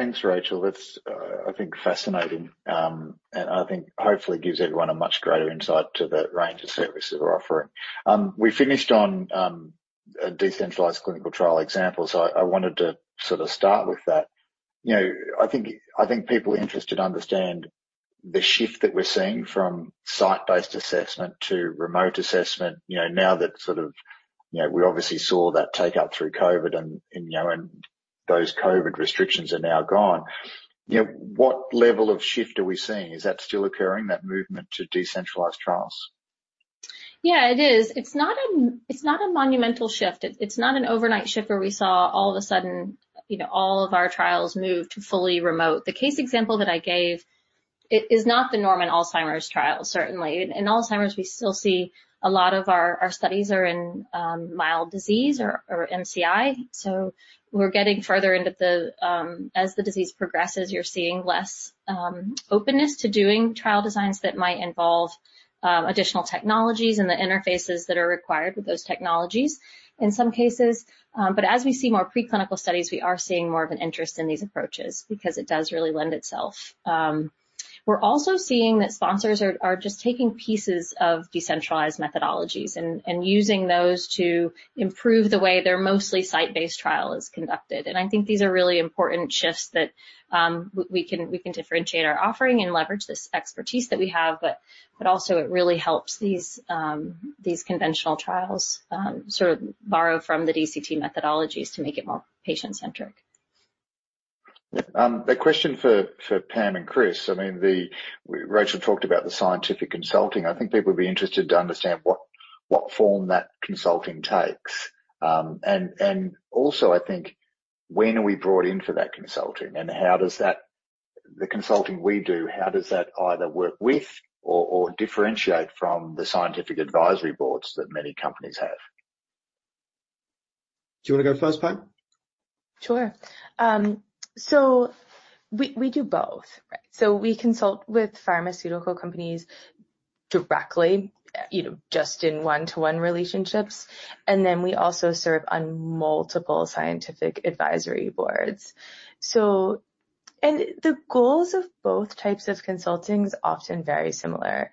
Speaker 1: Thanks, Rachel. That's, I think, fascinating, and I think hopefully gives everyone a much greater insight to the range of services that we're offering. We finished on a decentralized clinical trial example, so I wanted to sort of start with that. You know, I think people are interested to understand the shift that we're seeing from site-based assessment to remote assessment, you know, now that sort of... You know, we obviously saw that take up through COVID and, you know, and those COVID restrictions are now gone. You know, what level of shift are we seeing? Is that still occurring, that movement to decentralized trials?
Speaker 4: Yeah, it is. It's not a monumental shift. It's not an overnight shift where we saw all of a sudden, you know, all of our trials move to fully remote. The case example that I gave, it is not the norm in Alzheimer's trial, certainly. In Alzheimer's, we still see a lot of our studies are in mild disease or MCI, so we're getting further into the... As the disease progresses, you're seeing less openness to doing trial designs that might involve additional technologies and the interfaces that are required with those technologies in some cases. But as we see more preclinical studies, we are seeing more of an interest in these approaches because it does really lend itself. We're also seeing that sponsors are just taking pieces of decentralized methodologies and using those to improve the way their mostly site-based trial is conducted. I think these are really important shifts that we can differentiate our offering and leverage this expertise that we have, but also it really helps these conventional trials sort of borrow from the DCT methodologies to make it more patient-centric.
Speaker 1: Yeah. A question for Pam and Chris. I mean, Rachel talked about the scientific consulting. I think people would be interested to understand what form that consulting takes. And also, I think, when are we brought in for that consulting? And how does that, the consulting we do, how does that either work with or differentiate from the scientific advisory boards that many companies have?
Speaker 2: Do you want to go first, Pam?
Speaker 3: Sure. So we, we do both, right? So we consult with pharmaceutical companies directly, you know, just in one-to-one relationships, and then we also serve on multiple scientific advisory boards. So... And the goals of both types of consulting is often very similar.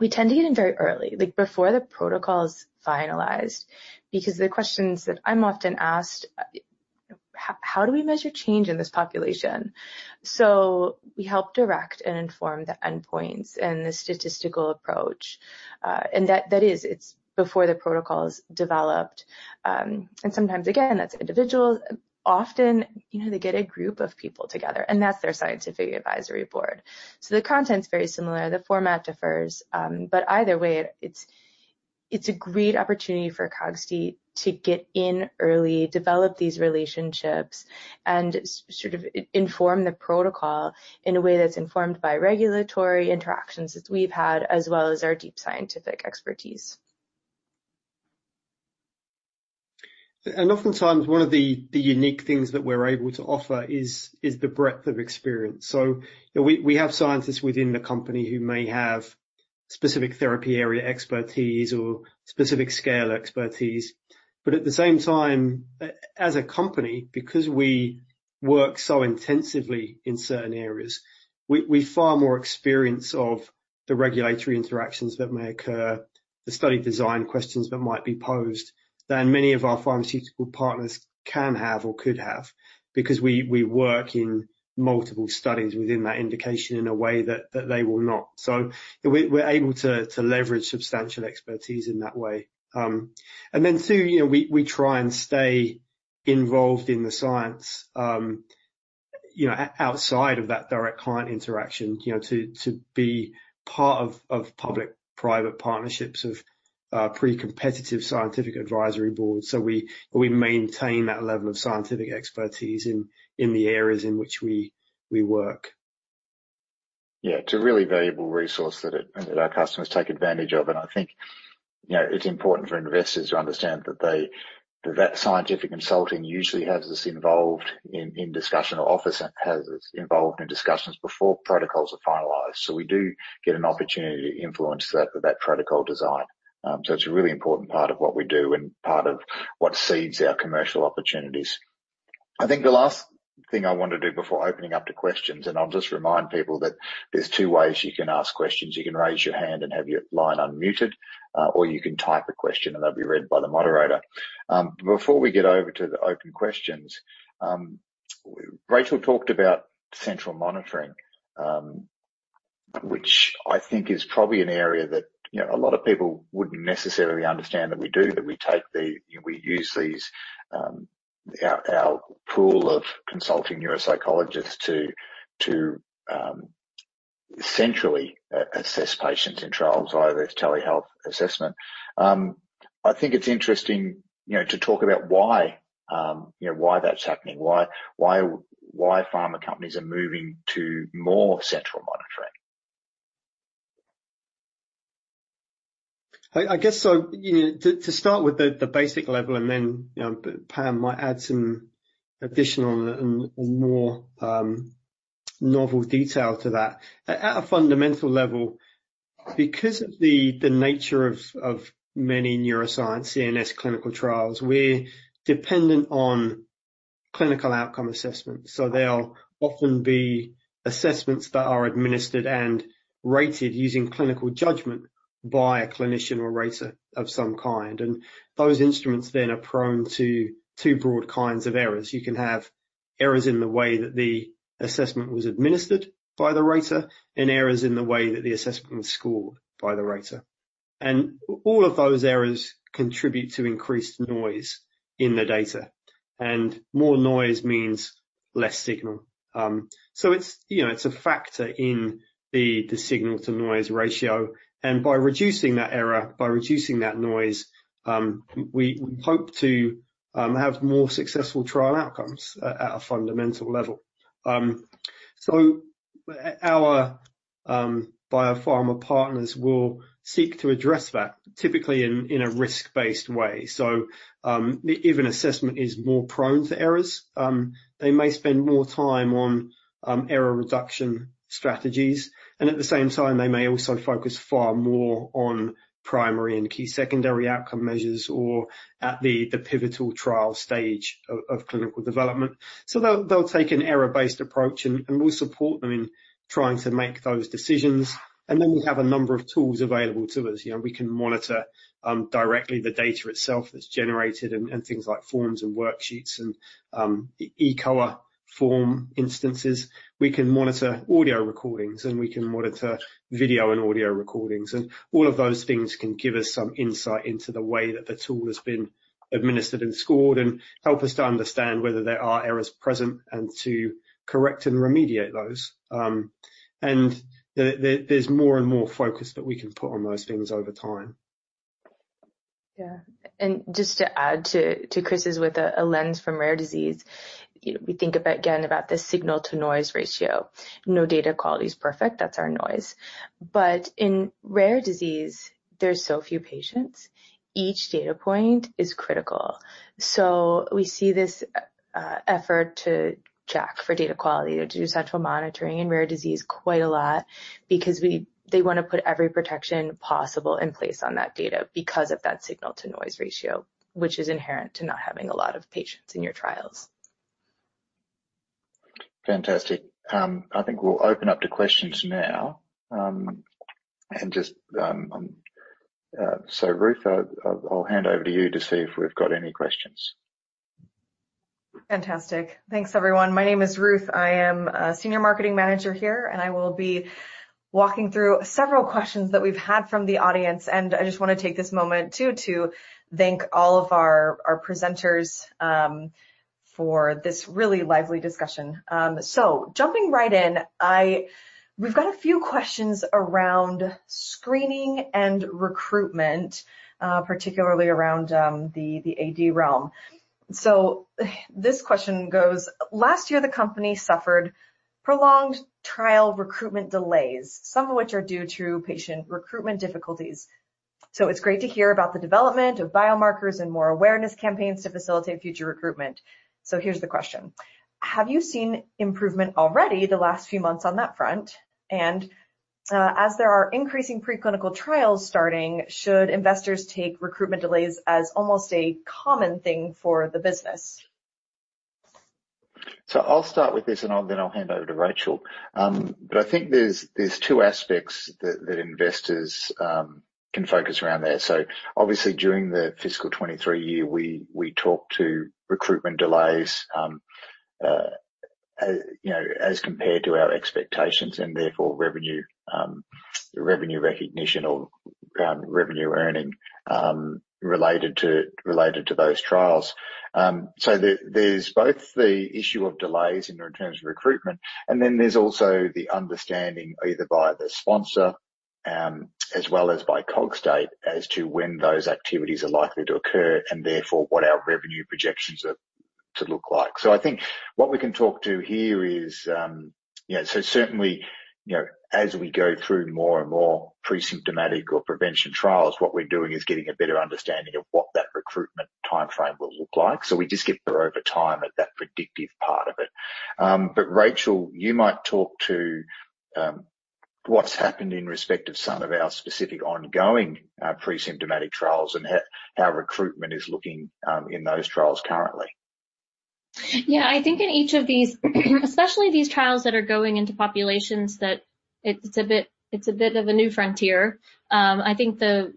Speaker 3: We tend to get in very early, like, before the protocol is finalized, because the questions that I'm often asked, How do we measure change in this population? So we help direct and inform the endpoints and the statistical approach, and that, that is, it's before the protocol is developed. And sometimes, again, that's individuals. Often, you know, they get a group of people together, and that's their scientific advisory board. So the content's very similar, the format differs, but either way, it's, it's a great opportunity for Cogstate to get in early, develop these relationships, and sort of inform the protocol in a way that's informed by regulatory interactions that we've had, as well as our deep scientific expertise.
Speaker 2: And oftentimes, one of the unique things that we're able to offer is the breadth of experience. So we have scientists within the company who may have specific therapy area expertise or specific scale expertise, but at the same time, as a company, because we work so intensively in certain areas, we far more experience of the regulatory interactions that may occur, the study design questions that might be posed, than many of our pharmaceutical partners can have or could have, because we work in multiple studies within that indication in a way that they will not. So we're able to leverage substantial expertise in that way. And then, too, you know, we try and stay involved in the science, you know, outside of that direct client interaction, you know, to be part of public-private partnerships of pre-competitive scientific advisory boards. So we maintain that level of scientific expertise in the areas in which we work.
Speaker 1: Yeah, it's a really valuable resource that our customers take advantage of, and I think, you know, it's important for investors to understand that that scientific consulting usually has us involved in discussions before protocols are finalized. So we do get an opportunity to influence that protocol design. So it's a really important part of what we do and part of what seeds our commercial opportunities. I think the last thing I want to do before opening up to questions, and I'll just remind people that there's two ways you can ask questions. You can raise your hand and have your line unmuted, or you can type a question, and they'll be read by the moderator. Before we get over to the open questions, Rachel talked about central monitoring, which I think is probably an area that, you know, a lot of people wouldn't necessarily understand that we do, that we use our pool of consulting neuropsychologists to centrally assess patients in trials via this telehealth assessment. I think it's interesting, you know, to talk about why that's happening, why pharma companies are moving to more central monitoring.
Speaker 2: I guess so, you know, to start with the basic level, and then, you know, Pam might add some additional and more novel detail to that. At a fundamental level, because of the nature of many neuroscience CNS clinical trials, we're dependent on clinical outcome assessments. So they'll often be assessments that are administered and rated using clinical judgment by a clinician or rater of some kind, and those instruments then are prone to two broad kinds of errors. You can have errors in the way that the assessment was administered by the rater and errors in the way that the assessment was scored by the rater. All of those errors contribute to increased noise in the data, and more noise means less signal. So it's, you know, it's a factor in the signal-to-noise ratio, and by reducing that error, by reducing that noise, we hope to have more successful trial outcomes at a fundamental level. So our biopharma partners will seek to address that, typically in a risk-based way. So, if an assessment is more prone to errors, they may spend more time on error reduction strategies, and at the same time, they may also focus far more on primary and key secondary outcome measures or at the pivotal trial stage of clinical development. So they'll take an error-based approach, and we'll support them in trying to make those decisions. And then we have a number of tools available to us. You know, we can monitor directly the data itself that's generated and things like forms and worksheets and eCOA form instances. We can monitor audio recordings, and we can monitor video and audio recordings, and all of those things can give us some insight into the way that the tool has been administered and scored and help us to understand whether there are errors present and to correct and remediate those. And there's more and more focus that we can put on those things over time.
Speaker 3: Yeah. And just to add to Chris's with a lens from rare disease, you know, we think about, again, about the signal-to-noise ratio. No data quality is perfect, that's our noise. But in rare disease, there's so few patients, each data point is critical. So we see this effort to check for data quality, to do central monitoring in rare disease quite a lot because they want to put every protection possible in place on that data because of that signal-to-noise ratio, which is inherent to not having a lot of patients in your trials.
Speaker 1: Fantastic. I think we'll open up to questions now. And just, so, Ruth, I'll hand over to you to see if we've got any questions.
Speaker 5: Fantastic. Thanks, everyone. My name is Ruth, I am a senior marketing manager here, and I will be walking through several questions that we've had from the audience, and I just want to take this moment, too, to thank all of our, our presenters, for this really lively discussion. So jumping right in, We've got a few questions around screening and recruitment, particularly around the AD realm. So this question goes: Last year, the company suffered prolonged trial recruitment delays, some of which are due to patient recruitment difficulties. So it's great to hear about the development of biomarkers and more awareness campaigns to facilitate future recruitment. So here's the question: Have you seen improvement already the last few months on that front? As there are increasing preclinical trials starting, should investors take recruitment delays as almost a common thing for the business?
Speaker 1: So I'll start with this, and then I'll hand over to Rachel. But I think there's two aspects that investors can focus around there. So obviously, during the fiscal 2023 year, we talked to recruitment delays, you know, as compared to our expectations, and therefore, revenue recognition or revenue earning related to those trials. So there's both the issue of delays in terms of recruitment, and then there's also the understanding, either via the sponsor, as well as by Cogstate, as to when those activities are likely to occur, and therefore, what our revenue projections are to look like. So I think what we can talk to here is, you know, so certainly, you know, as we go through more and more presymptomatic or prevention trials, what we're doing is getting a better understanding of what that recruitment timeframe will look like. So we just get better over time at that predictive part of it. But, Rachel, you might talk to, what's happened in respect of some of our specific ongoing presymptomatic trials and how recruitment is looking in those trials currently....
Speaker 4: Yeah, I think in each of these, especially these trials that are going into populations, that it's a bit of a new frontier. I think the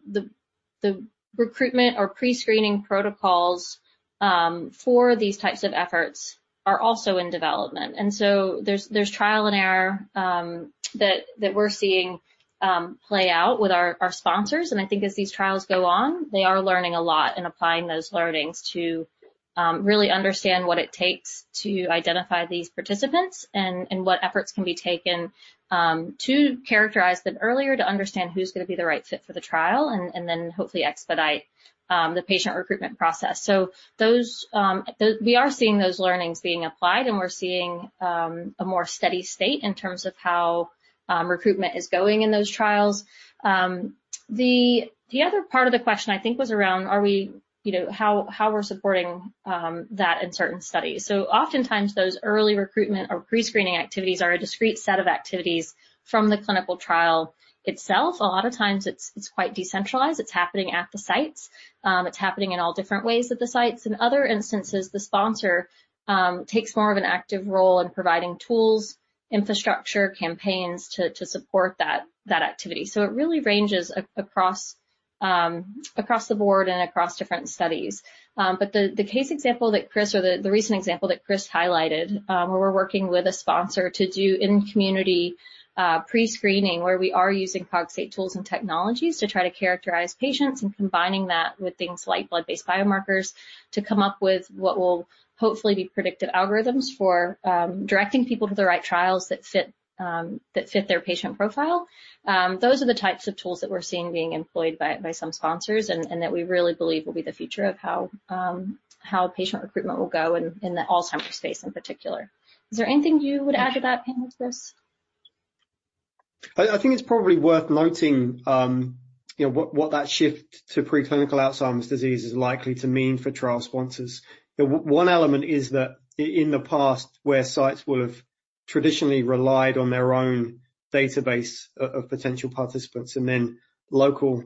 Speaker 4: recruitment or pre-screening protocols for these types of efforts are also in development. And so there's trial and error that we're seeing play out with our sponsors, and I think as these trials go on, they are learning a lot and applying those learnings to really understand what it takes to identify these participants, and what efforts can be taken to characterize them earlier, to understand who's gonna be the right fit for the trial, and then hopefully expedite the patient recruitment process. So those... We are seeing those learnings being applied, and we're seeing a more steady state in terms of how recruitment is going in those trials. The other part of the question, I think, was around, are we, you know, how we're supporting that in certain studies. Oftentimes, those early recruitment or pre-screening activities are a discrete set of activities from the clinical trial itself. A lot of times it's quite decentralized. It's happening at the sites. It's happening in all different ways at the sites. In other instances, the sponsor takes more of an active role in providing tools, infrastructure, campaigns to support that activity. It really ranges across the board and across different studies. But the recent example that Chris highlighted, where we're working with a sponsor to do in-community pre-screening, where we are using Cogstate tools and technologies to try to characterize patients, and combining that with things like blood-based biomarkers, to come up with what will hopefully be predictive algorithms for directing people to the right trials that fit their patient profile. Those are the types of tools that we're seeing being employed by some sponsors, and that we really believe will be the future of how patient recruitment will go in the Alzheimer's space, in particular. Is there anything you would add to that, Chris?
Speaker 2: I think it's probably worth noting, you know, what that shift to preclinical Alzheimer's disease is likely to mean for trial sponsors. The one element is that in the past, where sites would have traditionally relied on their own database of potential participants and then local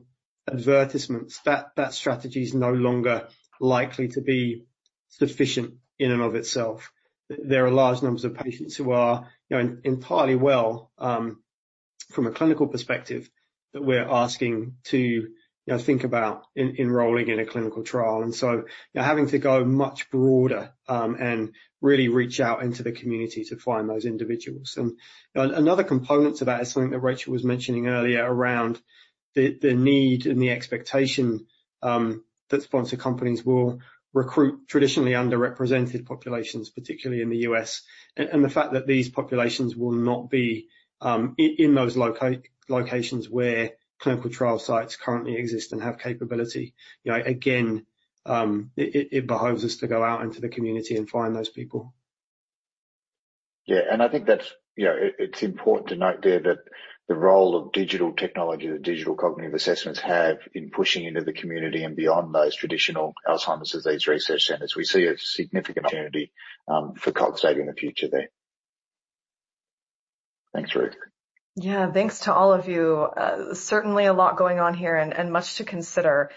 Speaker 2: advertisements, that strategy is no longer likely to be sufficient in and of itself. There are large numbers of patients who are, you know, entirely well, from a clinical perspective, that we're asking to, you know, think about enrolling in a clinical trial, and so you're having to go much broader, and really reach out into the community to find those individuals. Another component to that is something that Rachel was mentioning earlier around the need and the expectation that sponsor companies will recruit traditionally underrepresented populations, particularly in the U.S., and the fact that these populations will not be in those locations where clinical trial sites currently exist and have capability. You know, again, it behooves us to go out into the community and find those people.
Speaker 1: Yeah, and I think that's, you know, it, it's important to note there that the role of digital technology, that digital cognitive assessments have in pushing into the community and beyond those traditional Alzheimer's disease research centers. We see a significant opportunity for Cogstate in the future there. Thanks, Ruth. Yeah. Thanks to all of you. Certainly a lot going on here and, and much to consider.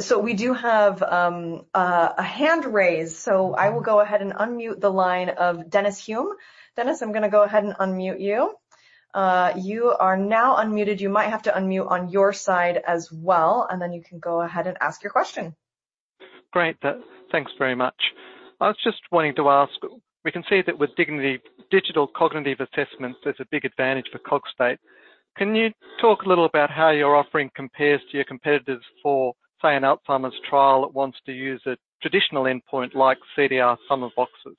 Speaker 1: So we do have a hand raised, so I will go ahead and unmute the line of Dennis Hume. Dennis, I'm gonna go ahead and unmute you. You are now unmuted. You might have to unmute on your side as well, and then you can go ahead and ask your question. Great. Thanks very much. I was just wanting to ask, we can see that with digital... digital cognitive assessments, there's a big advantage for Cogstate. Can you talk a little about how your offering compares to your competitors for, say, an Alzheimer's trial that wants to use a traditional endpoint like CDR Sum of Boxes?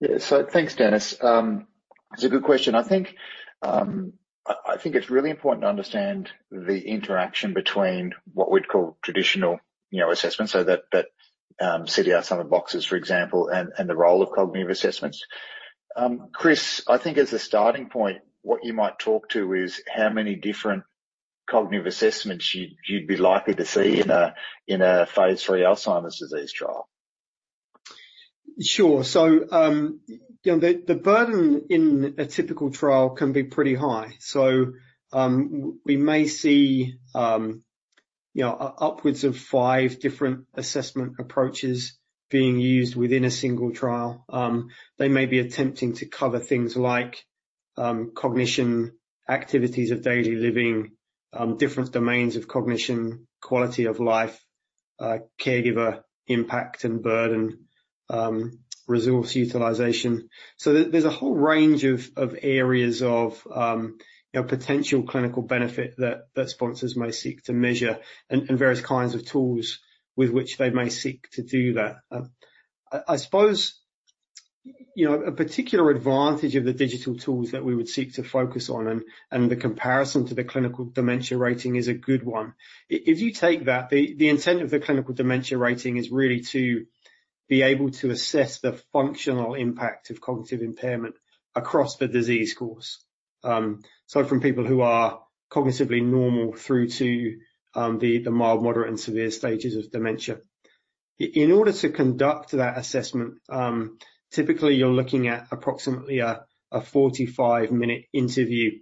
Speaker 1: Yeah. So thanks, Dennis. It's a good question. I think, I think it's really important to understand the interaction between what we'd call traditional, you know, assessments, so that, CDR Sum of Boxes, for example, and the role of cognitive assessments. Chris, I think as a starting point, what you might talk to is how many different cognitive assessments you'd be likely to see in a phase III Alzheimer's disease trial.
Speaker 2: Sure. So, you know, the burden in a typical trial can be pretty high. So, we may see, you know, upwards of five different assessment approaches being used within a single trial. They may be attempting to cover things like cognition, activities of daily living, different domains of cognition, quality of life, caregiver impact and burden, resource utilization. So there's a whole range of areas of potential clinical benefit that sponsors may seek to measure and various kinds of tools with which they may seek to do that. I suppose, you know, a particular advantage of the digital tools that we would seek to focus on and the comparison to the Clinical Dementia Rating is a good one. If you take that, the intent of the Clinical Dementia Rating is really to be able to assess the functional impact of cognitive impairment across the disease course. So from people who are cognitively normal through to the mild, moderate, and severe stages of dementia. In order to conduct that assessment, typically, you're looking at approximately a 45-minute interview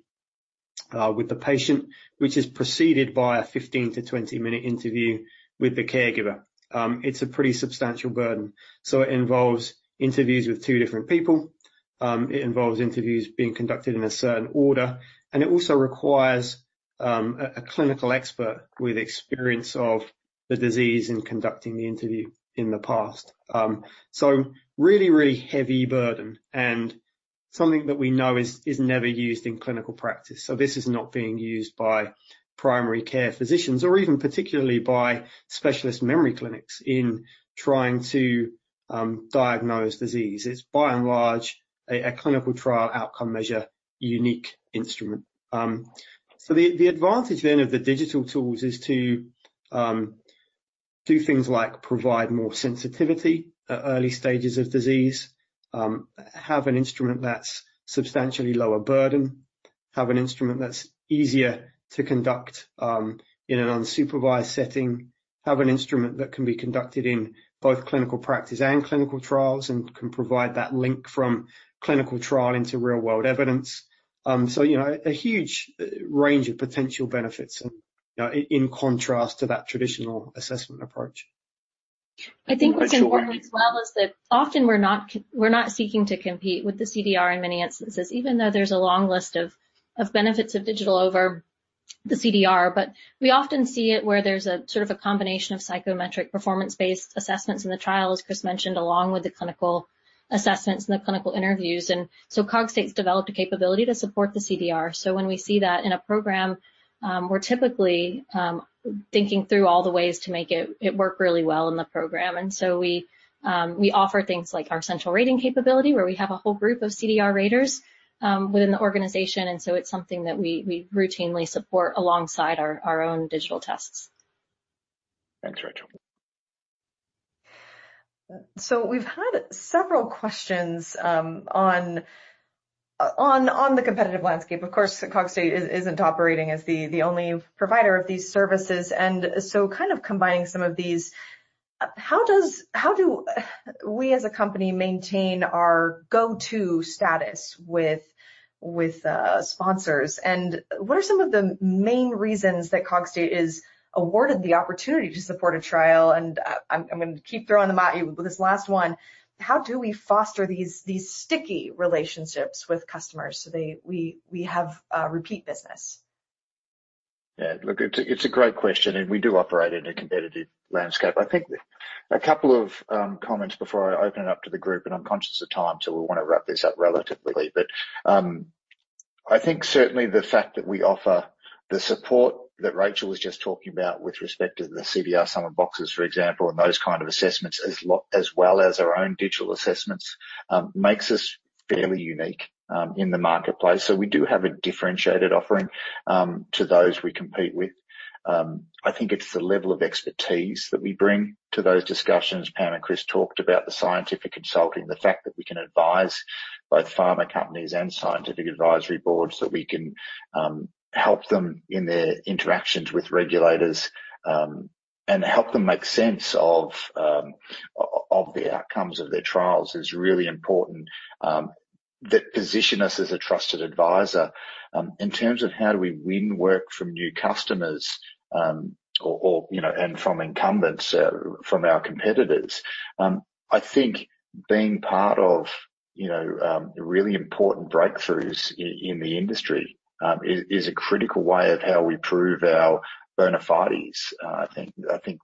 Speaker 2: with the patient, which is preceded by a 15-20-minute interview with the caregiver. It's a pretty substantial burden. So it involves interviews with two different people, it involves interviews being conducted in a certain order, and it also requires a clinical expert with experience of the disease in conducting the interview in the past. So really, really heavy burden and something that we know is never used in clinical practice. So this is not being used by primary care physicians or even particularly by specialist memory clinics in trying to diagnose disease. It's by and large a clinical trial outcome measure, unique instrument. So the advantage then of the digital tools is to do things like provide more sensitivity at early stages of disease, have an instrument that's substantially lower burden, have an instrument that's easier to conduct in an unsupervised setting, have an instrument that can be conducted in both clinical practice and clinical trials, and can provide that link from clinical trial into real-world evidence. So, you know, a huge range of potential benefits and, you know, in contrast to that traditional assessment approach.
Speaker 4: I think what's important as well is that often we're not seeking to compete with the CDR in many instances, even though there's a long list of benefits of digital over the CDR. But we often see it where there's a sort of a combination of psychometric performance-based assessments in the trial, as Chris mentioned, along with the clinical assessments and the clinical interviews, and so Cogstate's developed a capability to support the CDR. So when we see that in a program, we're typically thinking through all the ways to make it work really well in the program. And so we offer things like our central rating capability, where we have a whole group of CDR raters within the organization, and so it's something that we routinely support alongside our own digital tests.
Speaker 2: Thanks, Rachel.
Speaker 5: So we've had several questions on the competitive landscape. Of course, Cogstate isn't operating as the only provider of these services, and so kind of combining some of these, how do we as a company maintain our go-to status with sponsors? And what are some of the main reasons that Cogstate is awarded the opportunity to support a trial? And I'm gonna keep throwing them at you, but this last one: how do we foster these sticky relationships with customers so they, we have repeat business?
Speaker 1: Yeah, look, it's a great question, and we do operate in a competitive landscape. I think a couple of comments before I open it up to the group, and I'm conscious of time, so we want to wrap this up relatively. But I think certainly the fact that we offer the support that Rachel was just talking about with respect to the CDR Sum of Boxes, for example, and those kind of assessments, as well as our own digital assessments, makes us fairly unique in the marketplace. So we do have a differentiated offering to those we compete with. I think it's the level of expertise that we bring to those discussions. Pam and Chris talked about the scientific consulting, the fact that we can advise both pharma companies and scientific advisory boards, that we can help them in their interactions with regulators, and help them make sense of of the outcomes of their trials, is really important, that position us as a trusted advisor. In terms of how do we win work from new customers, or you know and from incumbents from our competitors. I think being part of you know really important breakthroughs in the industry is a critical way of how we prove our bona fides. I think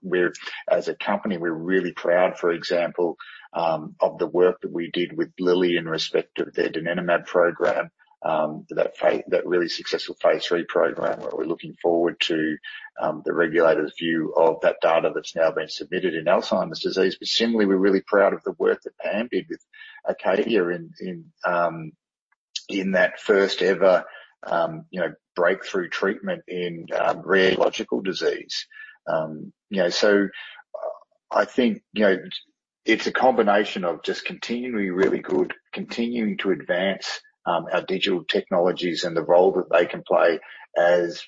Speaker 1: we're—as a company, we're really proud, for example, of the work that we did with Lilly in respect of their donanemab program, that really successful phase III program, where we're looking forward to the regulator's view of that data that's now been submitted in Alzheimer's disease. But similarly, we're really proud of the work that Pam did with Acadia in that first ever, you know, breakthrough treatment in rare neurological disease. You know, so, I think, you know, it's a combination of just continually really good, continuing to advance our digital technologies and the role that they can play as,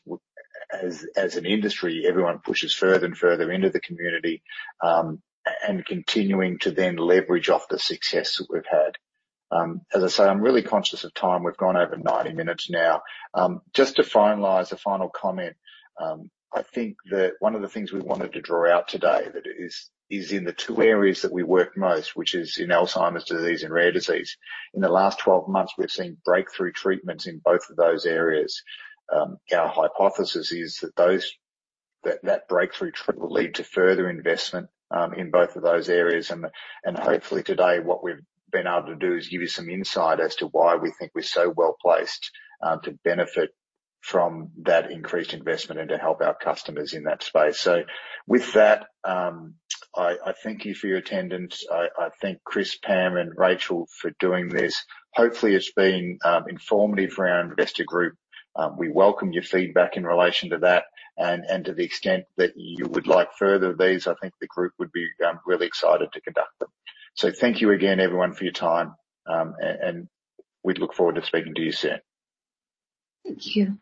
Speaker 1: as an industry, everyone pushes further and further into the community, and continuing to then leverage off the success that we've had. As I say, I'm really conscious of time. We've gone over 90 minutes now. Just to finalize, a final comment, I think that one of the things we wanted to draw out today that is in the two areas that we work most, which is in Alzheimer's disease and rare disease. In the last 12 months, we've seen breakthrough treatments in both of those areas. Our hypothesis is that that breakthrough will lead to further investment in both of those areas. And hopefully today, what we've been able to do is give you some insight as to why we think we're so well-placed to benefit from that increased investment and to help our customers in that space. So with that, I thank you for your attendance. I thank Chris, Pam, and Rachel for doing this. Hopefully, it's been informative for our investor group. We welcome your feedback in relation to that, and to the extent that you would like further of these, I think the group would be really excited to conduct them. So thank you again, everyone, for your time, and we look forward to speaking to you soon.
Speaker 4: Thank you.